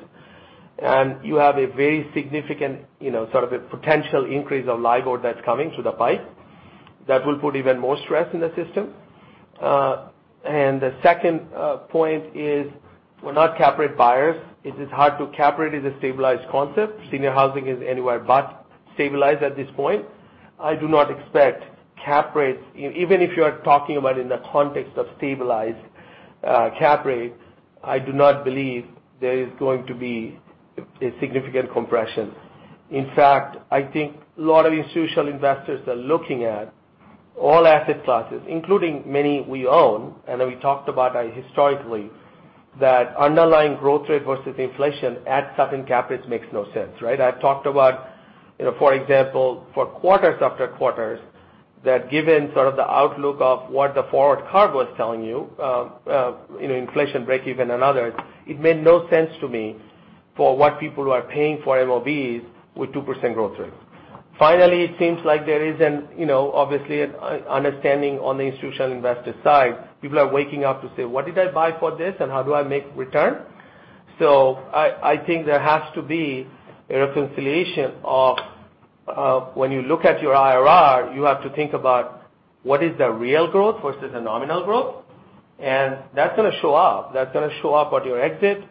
You have a very significant, you know, sort of a potential increase of LIBOR that's coming through the pipe that will put even more stress in the system. The second point is we're not cap rate buyers. It is hard to. Cap rate is a stabilized concept. Senior housing is anywhere but stabilized at this point. I do not expect cap rates, even if you are talking about in the context of stabilized cap rate, I do not believe there is going to be a significant compression. In fact, I think a lot of institutional investors are looking at all asset classes, including many we own, and then we talked about historically, that underlying growth rate versus inflation at certain cap rates makes no sense, right? I've talked about, you know, for example, for quarters after quarters, that given sort of the outlook of what the forward curve was telling you know, inflation break even and others, it made no sense to me for what people are paying for MOBs with 2% growth rate. Finally, it seems like there is an, you know, obviously an understanding on the institutional investor side. People are waking up to say, "What did I buy for this, and how do I make return?" I think there has to be a reconciliation of when you look at your IRR, you have to think about what is the real growth versus the nominal growth. That's gonna show up. That's gonna show up at your exit.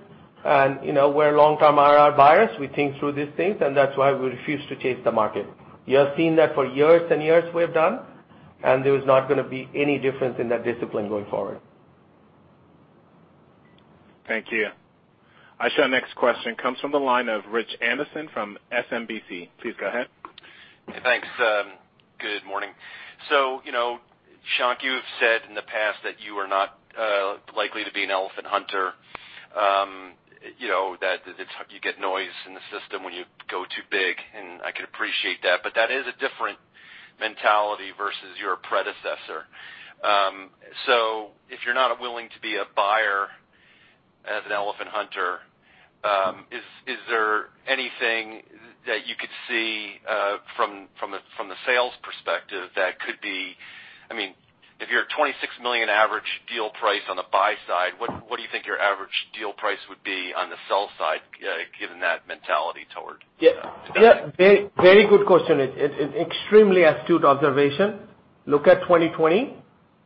You know, we're long-term IRR buyers. We think through these things, and that's why we refuse to chase the market. You have seen that for years and years we have done, and there is not gonna be any difference in that discipline going forward. Thank you. Our next question comes from the line of Richard Anderson from SMBC. Please go ahead. Thanks. Good morning. You know, Shankh, you've said in the past that you are not likely to be an elephant hunter. You know, that you get noise in the system when you go too big, and I can appreciate that. That is a different mentality versus your predecessor. If you're not willing to be a buyer as an elephant hunter, is there anything that you could see from the sales perspective? I mean, if you're at $26 million average deal price on the buy side, what do you think your average deal price would be on the sell side, given that mentality toward selling? Yeah. Very, very good question. It's extremely astute observation. Look at 2020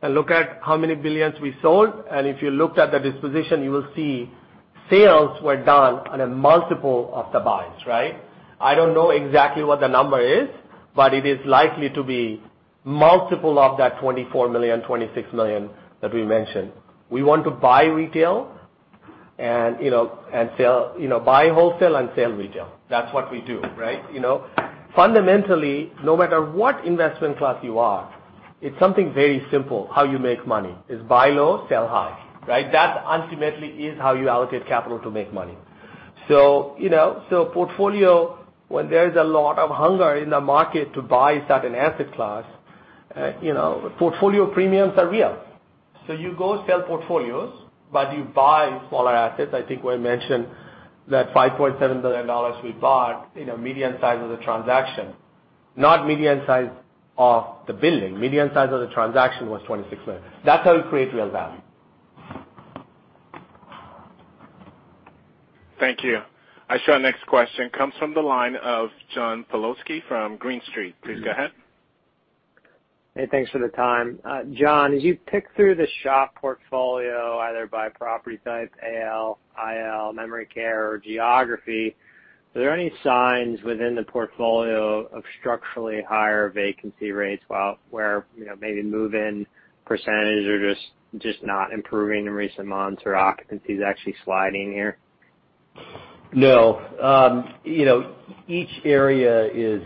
and look at how many billions we sold. If you looked at the disposition, you will see sales were done on a multiple of the buys, right? I don't know exactly what the number is, but it is likely to be multiple of that $24 million, $26 million that we mentioned. We want to buy retail and, you know, and sell, you know, buy wholesale and sell retail. That's what we do, right, you know? Fundamentally, no matter what investment class you are, it's something very simple how you make money. It's buy low, sell high, right? That ultimately is how you allocate capital to make money. You know, portfolio, when there is a lot of hunger in the market to buy certain asset class, you know, portfolio premiums are real. You go sell portfolios, but you buy smaller assets. I think we mentioned that $5.7 billion we bought in a median size of the transaction. Not median size of the building. Median size of the transaction was $26 million. That's how we create real value. Thank you. Our next question comes from the line of John Pawlowski from Green Street. Please go ahead. Hey, thanks for the time. John, as you pick through the SHOP portfolio, either by property type, AL, IL, memory care, or geography, are there any signs within the portfolio of structurally higher vacancy rates while, where, you know, maybe move-in percentages are just not improving in recent months or occupancy is actually sliding here? No. You know, each area is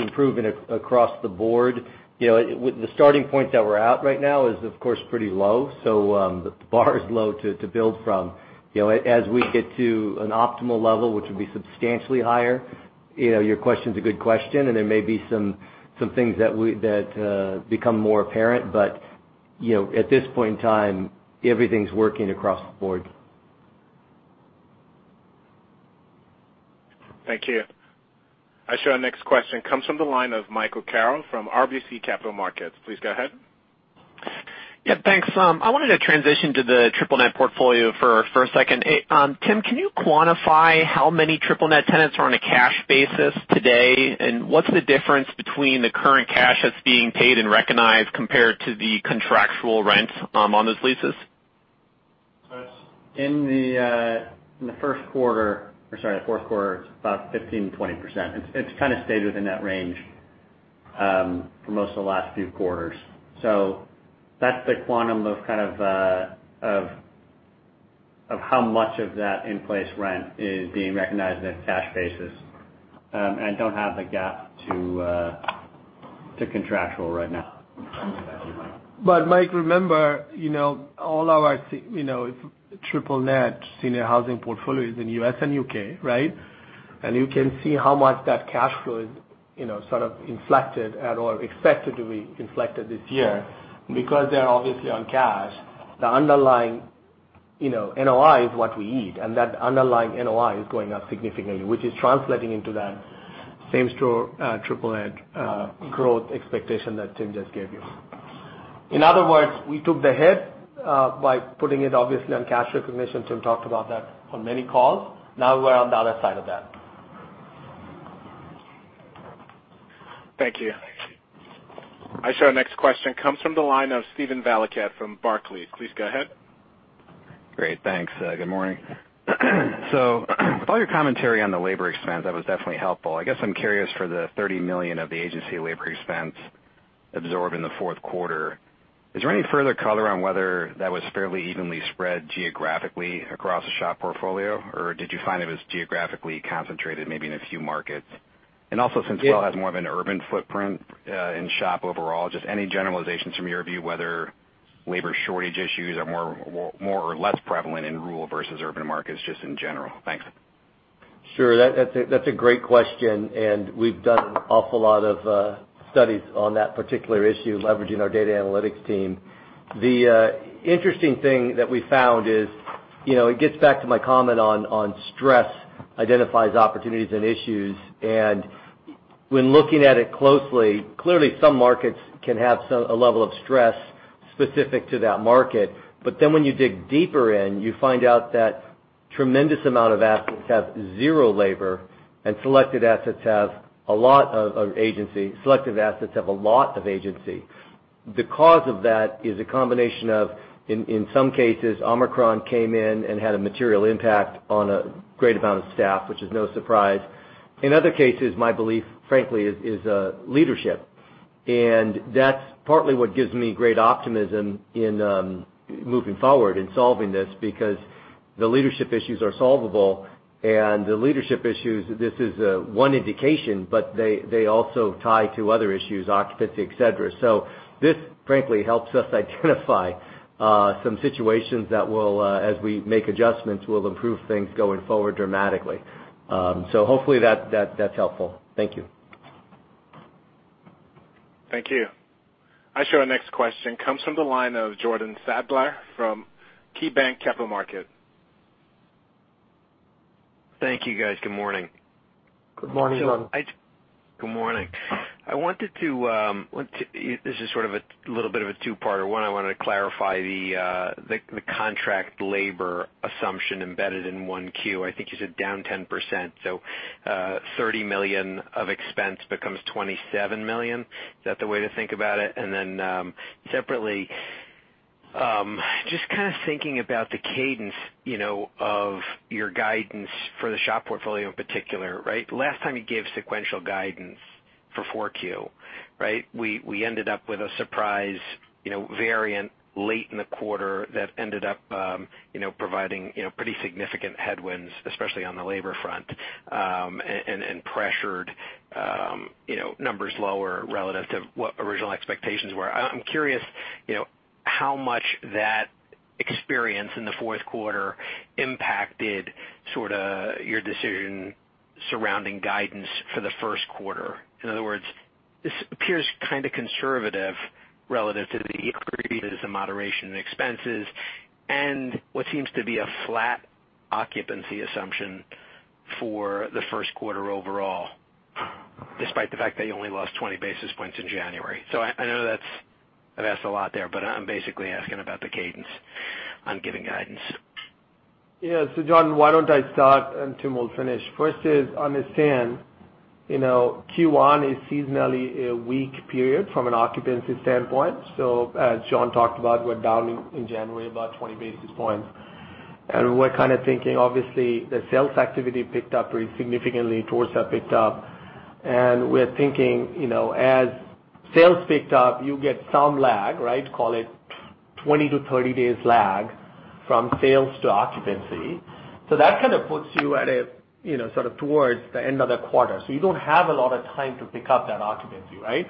improving across the board. You know, with the starting points that we're at right now is of course pretty low. The bar is low to build from. You know, as we get to an optimal level, which would be substantially higher, you know, your question's a good question, and there may be some things that we become more apparent. You know, at this point in time, everything's working across the board. Thank you. Our next question comes from the line of Michael Carroll from RBC Capital Markets. Please go ahead. Yeah, thanks. I wanted to transition to the triple net portfolio for a second. Tim, can you quantify how many triple net tenants are on a cash basis today? What's the difference between the current cash that's being paid and recognized compared to the contractual rent on those leases? In the fourth quarter, it's about 15%-20%. It's kinda stayed within that range for most of the last few quarters. That's the quantum of kind of how much of that in-place rent is being recognized in a cash basis. I don't have the gap to contractual right now. Mike, remember, you know, all our triple net senior housing portfolio is in U.S. and U.K., right? You can see how much that cash flow is, you know, sort of inflected at or expected to be inflected this year. Because they're obviously on cash, the underlying, you know, NOI is what we need, and that underlying NOI is going up significantly, which is translating into that same-store, triple net, growth expectation that Tim just gave you. In other words, we took the hit by putting it obviously on cash recognition. Tim talked about that on many calls. Now we're on the other side of that. Thank you. Our next question comes from the line of Steven Valiquette from Barclays. Please go ahead. Great, thanks. Good morning. With all your commentary on the labor expense, that was definitely helpful. I guess I'm curious for the $30 million of the agency labor expense absorbed in the fourth quarter. Is there any further color on whether that was fairly evenly spread geographically across the SHOP portfolio, or did you find it was geographically concentrated maybe in a few markets? Also since Welltower has more of an urban footprint in SHOP overall, just any generalizations from your view whether labor shortage issues are more or less prevalent in rural versus urban markets just in general? Thanks. Sure. That's a great question, and we've done an awful lot of studies on that particular issue, leveraging our data analytics team. The interesting thing that we found is, you know, it gets back to my comment on stress identifies opportunities and issues. When looking at it closely, clearly some markets can have some level of stress specific to that market. Then when you dig deeper in, you find out that tremendous amount of assets have zero labor and selected assets have a lot of agency. The cause of that is a combination of, in some cases, Omicron came in and had a material impact on a great amount of staff, which is no surprise. In other cases, my belief, frankly, is leadership. That's partly what gives me great optimism in moving forward in solving this because the leadership issues are solvable. The leadership issues—this is one indication—but they also tie to other issues, occupancy, et cetera. This frankly helps us identify some situations that, as we make adjustments, will improve things going forward dramatically. Hopefully that's helpful. Thank you. Thank you. Our next question comes from the line of Jordan Sadler from KeyBanc Capital Markets. Thank you, guys. Good morning. Good morning, Jordan. Good morning. I wanted to. This is sort of a little bit of a two-parter. One, I wanted to clarify the contract labor assumption embedded in 1Q. I think you said down 10%. So, $30 million of expense becomes $27 million. Is that the way to think about it? Then, separately, just kinda thinking about the cadence, you know, of your guidance for the SHOP portfolio in particular, right? Last time you gave sequential guidance for 4Q, right? We ended up with a surprise variant late in the quarter that ended up providing pretty significant headwinds, especially on the labor front, and pressured numbers lower relative to what original expectations were. I'm curious, you know, how much that experience in the fourth quarter impacted sorta your decision surrounding guidance for the first quarter. In other words, this appears kind of conservative relative to the moderation expenses and what seems to be a flat occupancy assumption for the first quarter overall, despite the fact that you only lost 20 basis points in January. I know that's. I've asked a lot there, but I'm basically asking about the cadence on giving guidance. Yeah. John, why don't I start and Tim will finish. First, understand, you know, Q1 is seasonally a weak period from an occupancy standpoint. As John talked about, we're down in January about 20 basis points. We're kinda thinking, obviously, the sales activity picked up pretty significantly toward the end. We're thinking, you know, as sales picked up, you get some lag, right? Call it 20-30 days lag from sales to occupancy. That kind of puts you at a, you know, sort of toward the end of the quarter. You don't have a lot of time to pick up that occupancy, right?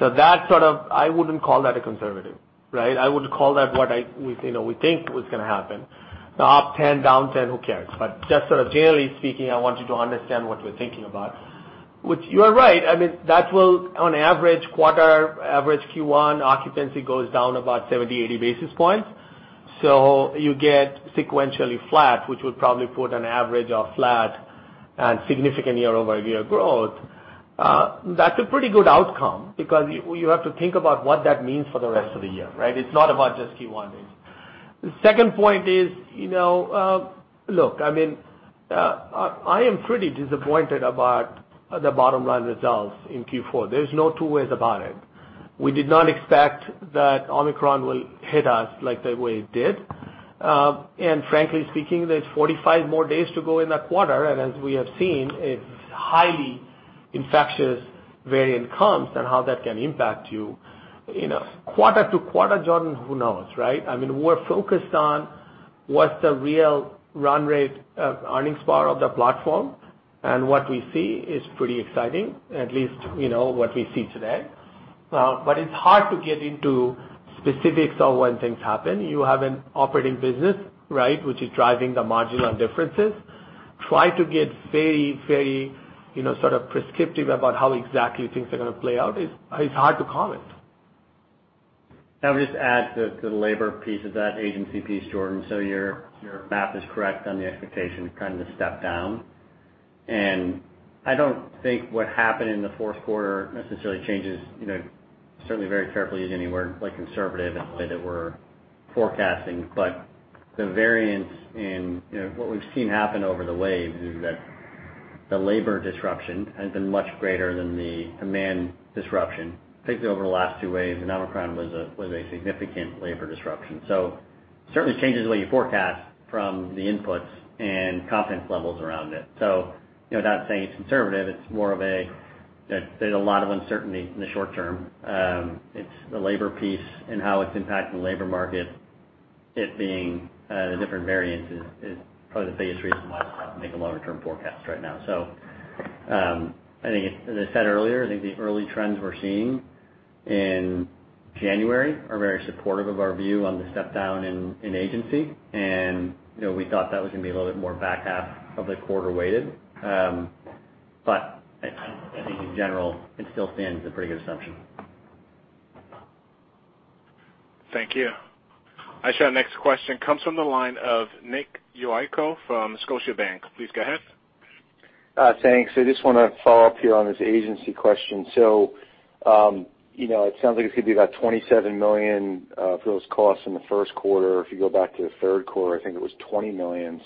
That sort of, I wouldn't call that a conservative, right? I would call that what we, you know, we think was gonna happen. Now, up 10, down 10, who cares? Just sort of generally speaking, I want you to understand what we're thinking about. Which you are right, I mean, that will on average, quarter-over-quarter average Q1 occupancy goes down about 70 basis points-80 basis points. You get sequentially flat, which would probably put an average of flat and significant year-over-year growth. That's a pretty good outcome because you have to think about what that means for the rest of the year, right? It's not about just Q1. The second point is, you know, look, I mean, I am pretty disappointed about the bottom-line results in Q4. There's no two ways about it. We did not expect that Omicron will hit us like the way it did. Frankly speaking, there's 45 more days to go in that quarter, and as we have seen, a highly infectious variant comes and how that can impact you. You know, quarter to quarter, John, who knows, right? I mean, we're focused on what's the real run rate of earnings power of the platform, and what we see is pretty exciting, at least, you know, what we see today. But it's hard to get into specifics of when things happen. You have an operating business, right? Which is driving the marginal differences. Trying to get very, you know, sort of prescriptive about how exactly things are gonna play out is hard to comment. I'll just add to the labor piece of that agency piece, Jordan, so your math is correct on the expectation, kind of the step down. I don't think what happened in the fourth quarter necessarily changes, you know, certainly very carefully using any word like conservative in the way that we're forecasting. The variance in, you know, what we've seen happen over the waves is that the labor disruption has been much greater than the demand disruption, particularly over the last two waves. Omicron was a significant labor disruption. Certainly changes the way you forecast from the inputs and confidence levels around it. You know, not saying it's conservative, it's more of a, that there's a lot of uncertainty in the short term. It's the labor piece and how it's impacting the labor market, it being the different variants is probably the biggest reason why it's not making a longer term forecast right now. I think as I said earlier, I think the early trends we're seeing in January are very supportive of our view on the step down in agency. You know, we thought that was gonna be a little bit more back half of the quarter weighted. I think in general, it still stands a pretty good assumption. Thank you. Our next question comes from the line of Nicholas Yulico from Scotiabank. Please go ahead. Thanks. I just wanna follow up here on this agency question. You know, it sounds like it's gonna be about $27 million for those costs in the first quarter. If you go back to the third quarter, I think it was $20 million.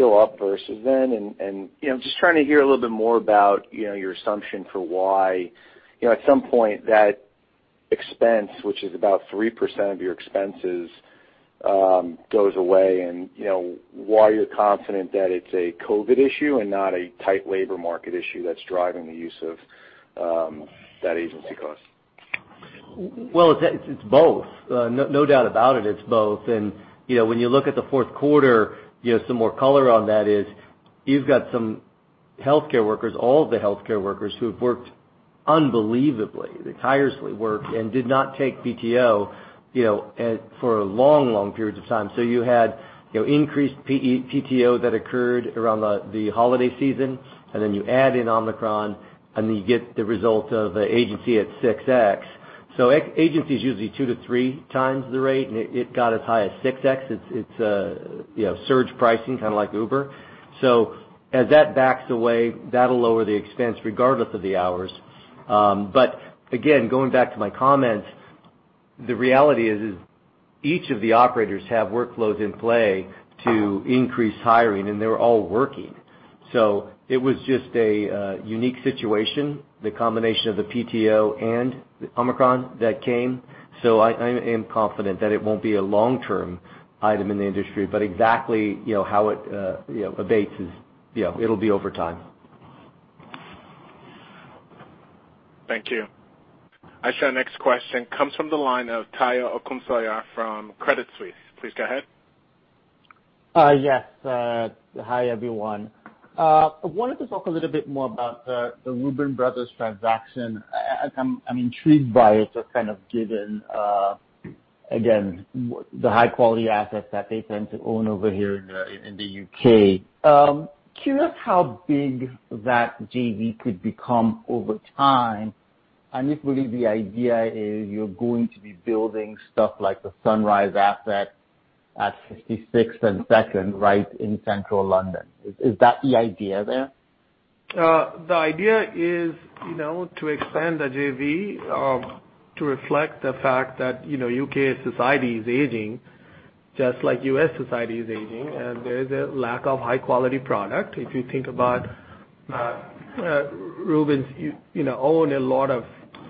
Still up versus then. You know, I'm just trying to hear a little bit more about your assumption for why, you know, at some point that expense, which is about 3% of your expenses, goes away. You know, why you're confident that it's a COVID issue and not a tight labor market issue that's driving the use of that agency cost. Well, it's both. No doubt about it's both. You know, when you look at the fourth quarter, you know, some more color on that is you've got some healthcare workers, all the healthcare workers who have worked unbelievably. They tirelessly worked and did not take PTO, you know, for long, long periods of time. You had increased PTO that occurred around the holiday season, and then you add in Omicron, and you get the result of agency at 6x. Agency is usually 2x-3x the rate, and it got as high as 6x. It's surge pricing, kinda like Uber. As that backs away, that'll lower the expense regardless of the hours. But again, going back to my comment. The reality is each of the operators have workflows in play to increase hiring, and they're all working. It was just a unique situation, the combination of the PTO and the Omicron that came. I am confident that it won't be a long-term item in the industry, but exactly, you know, how it abates is. You know, it'll be over time. Thank you. Our next question comes from the line of Omotayo Okusanya from Credit Suisse. Please go ahead. Yes. Hi, everyone. I wanted to talk a little bit more about the Reuben Brothers transaction. I'm intrigued by it, just kind of given, again, the high quality assets that they tend to own over here in the U.K. Curious how big that JV could become over time, and if really the idea is you're going to be building stuff like the Sunrise asset at 56th and Second right in central London. Is that the idea there? The idea is, you know, to expand the JV, to reflect the fact that, you know, U.K. society is aging, just like U.S. society is aging, and there's a lack of high-quality product. If you think about, Reubens, you know, own a lot of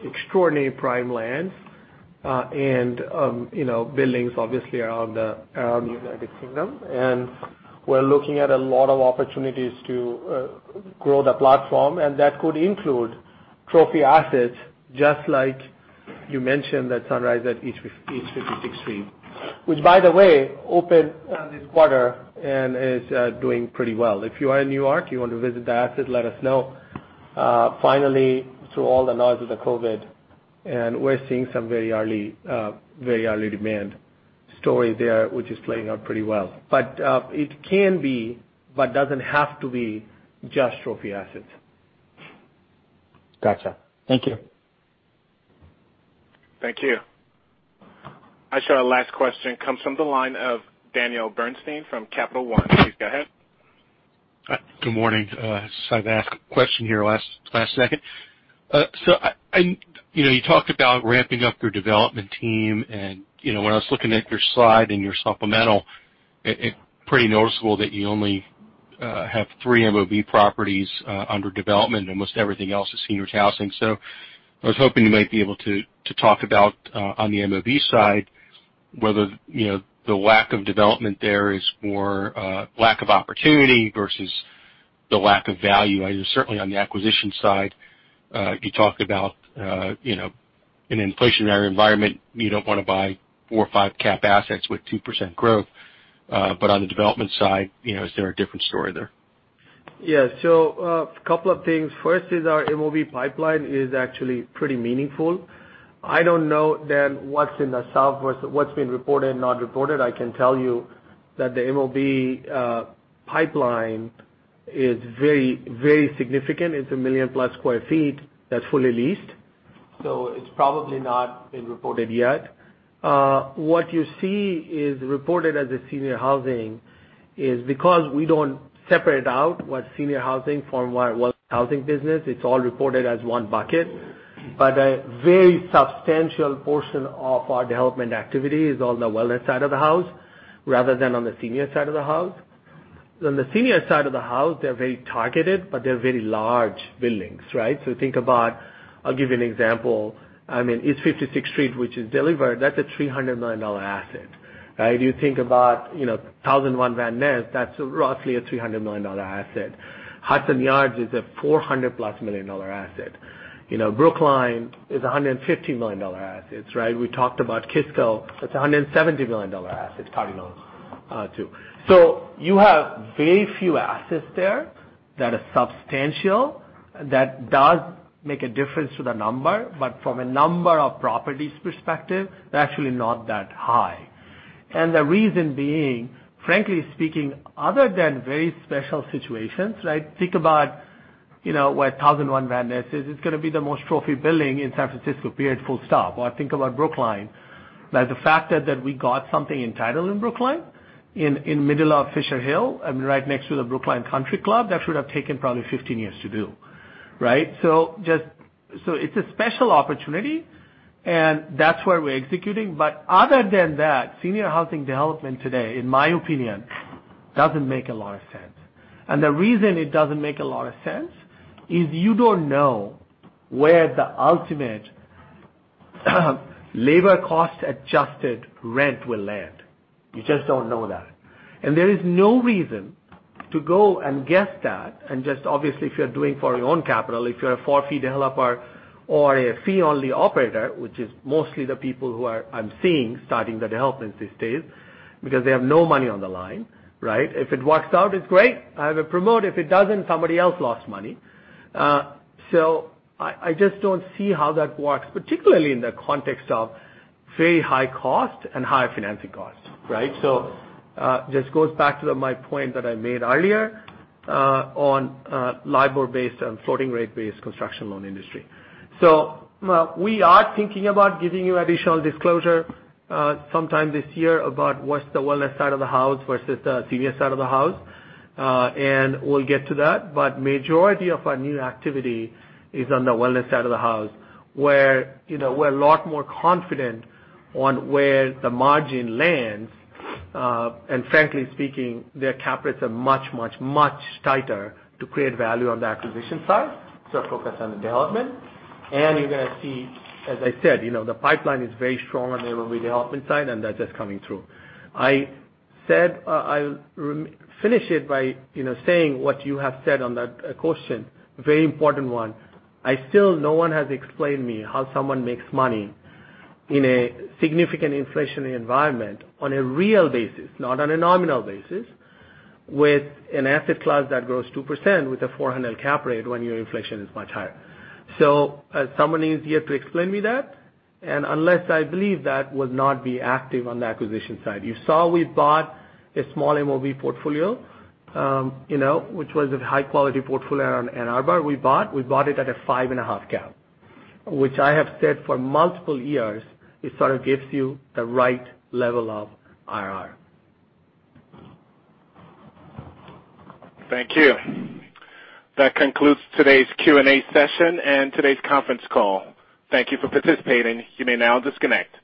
extraordinary prime lands, and, you know, buildings obviously around the United Kingdom. We're looking at a lot of opportunities to, grow the platform, and that could include trophy assets, just like you mentioned that Sunrise at East 56th Street, which by the way, opened, this quarter and is, doing pretty well. If you are in New York, you want to visit the asset, let us know. Finally, through all the noise of the COVID, we're seeing some very early demand story there, which is playing out pretty well. It can be, but doesn't have to be just trophy assets. Gotcha. Thank you. Thank you. Our last question comes from the line of Daniel Bernstein from Capital One. Please go ahead. Hi. Good morning. Sorry to ask a question here last second. You know, you talked about ramping up your development team and, you know, when I was looking at your slide and your supplemental, it pretty noticeable that you only have three MOB properties under development. Almost everything else is senior housing. I was hoping you might be able to talk about on the MOB side whether, you know, the lack of development there is more lack of opportunity versus the lack of value. Certainly on the acquisition side, you talked about, you know, in an inflationary environment, you don't wanna buy four or five cap assets with 2% growth. On the development side, you know, is there a different story there? Yeah. A couple of things. First is our MOB pipeline is actually pretty meaningful. I don't know then what's in the supplemental versus what's been reported and not reported. I can tell you that the MOB pipeline is very, very significant. It's 1 million-plus sq ft that's fully leased, so it's probably not been reported yet. What you see is reported as senior housing because we don't separate out senior housing from our wellness housing business. It's all reported as one bucket. A very substantial portion of our development activity is on the Wellness side of the house rather than on the senior side of the house. On the senior side of the house, they're very targeted, but they're very large buildings, right? Think about, I'll give you an example. I mean, East 56th Street, which is delivered, that's a $300 million asset, right? You think about, you know, 1001 Van Ness, that's roughly a $300 million asset. Hudson Yards is a $400+ million asset. You know, Brookline is a $150 million asset, right? We talked about Kisco, that's a $170 million asset, third-party loans, too. So you have very few assets there that are substantial that does make a difference to the number. But from a number of properties perspective, they're actually not that high. The reason being, frankly speaking, other than very special situations, like think about, you know, where 1001 Van Ness is. It's gonna be the most trophy building in San Francisco, period, full stop. Or think about Brookline. Now, the fact that we got something entitled in Brookline, in middle of Fisher Hill and right next to The Country Club, that should have taken probably 15 years to do, right? It's a special opportunity, and that's where we're executing. Other than that, senior housing development today, in my opinion, doesn't make a lot of sense. The reason it doesn't make a lot of sense is you don't know where the ultimate, labor cost adjusted rent will land. You just don't know that. There is no reason to go and guess that, and just obviously, if you're doing for your own capital, if you're a for-fee developer or a fee-only operator, which is mostly the people I'm seeing starting the development these days because they have no money on the line, right? If it works out, it's great. I have a promote. If it doesn't, somebody else lost money. I just don't see how that works, particularly in the context of very high cost and high financing costs, right? Just goes back to my point that I made earlier on LIBOR-based and floating rate-based construction loan industry. We are thinking about giving you additional disclosure sometime this year about what's the wellness side of the house versus the senior side of the house. We'll get to that. Majority of our new activity is on the wellness side of the house, where, you know, we're a lot more confident on where the margin lands. Frankly speaking, their cap rates are much, much, much tighter to create value on the acquisition side, so focus on the development. You're gonna see, as I said, you know, the pipeline is very strong on the MOB development side, and that's just coming through. I said, I'll finish it by, you know, saying what you have said on that question. Very important one. No one has explained to me how someone makes money in a significant inflationary environment on a real basis, not on a nominal basis, with an asset class that grows 2% with a 4% cap rate when your inflation is much higher. So, someone needs to explain to me that. Unless I believe that will not be active on the acquisition side. You saw we bought a small MOB portfolio, you know, which was a high-quality portfolio in Ann Arbor we bought. We bought it at a 5.5 cap, which I have said for multiple years, sort of gives you the right level of IRR. Thank you. That concludes today's Q&A session and today's conference call. Thank you for participating. You may now disconnect.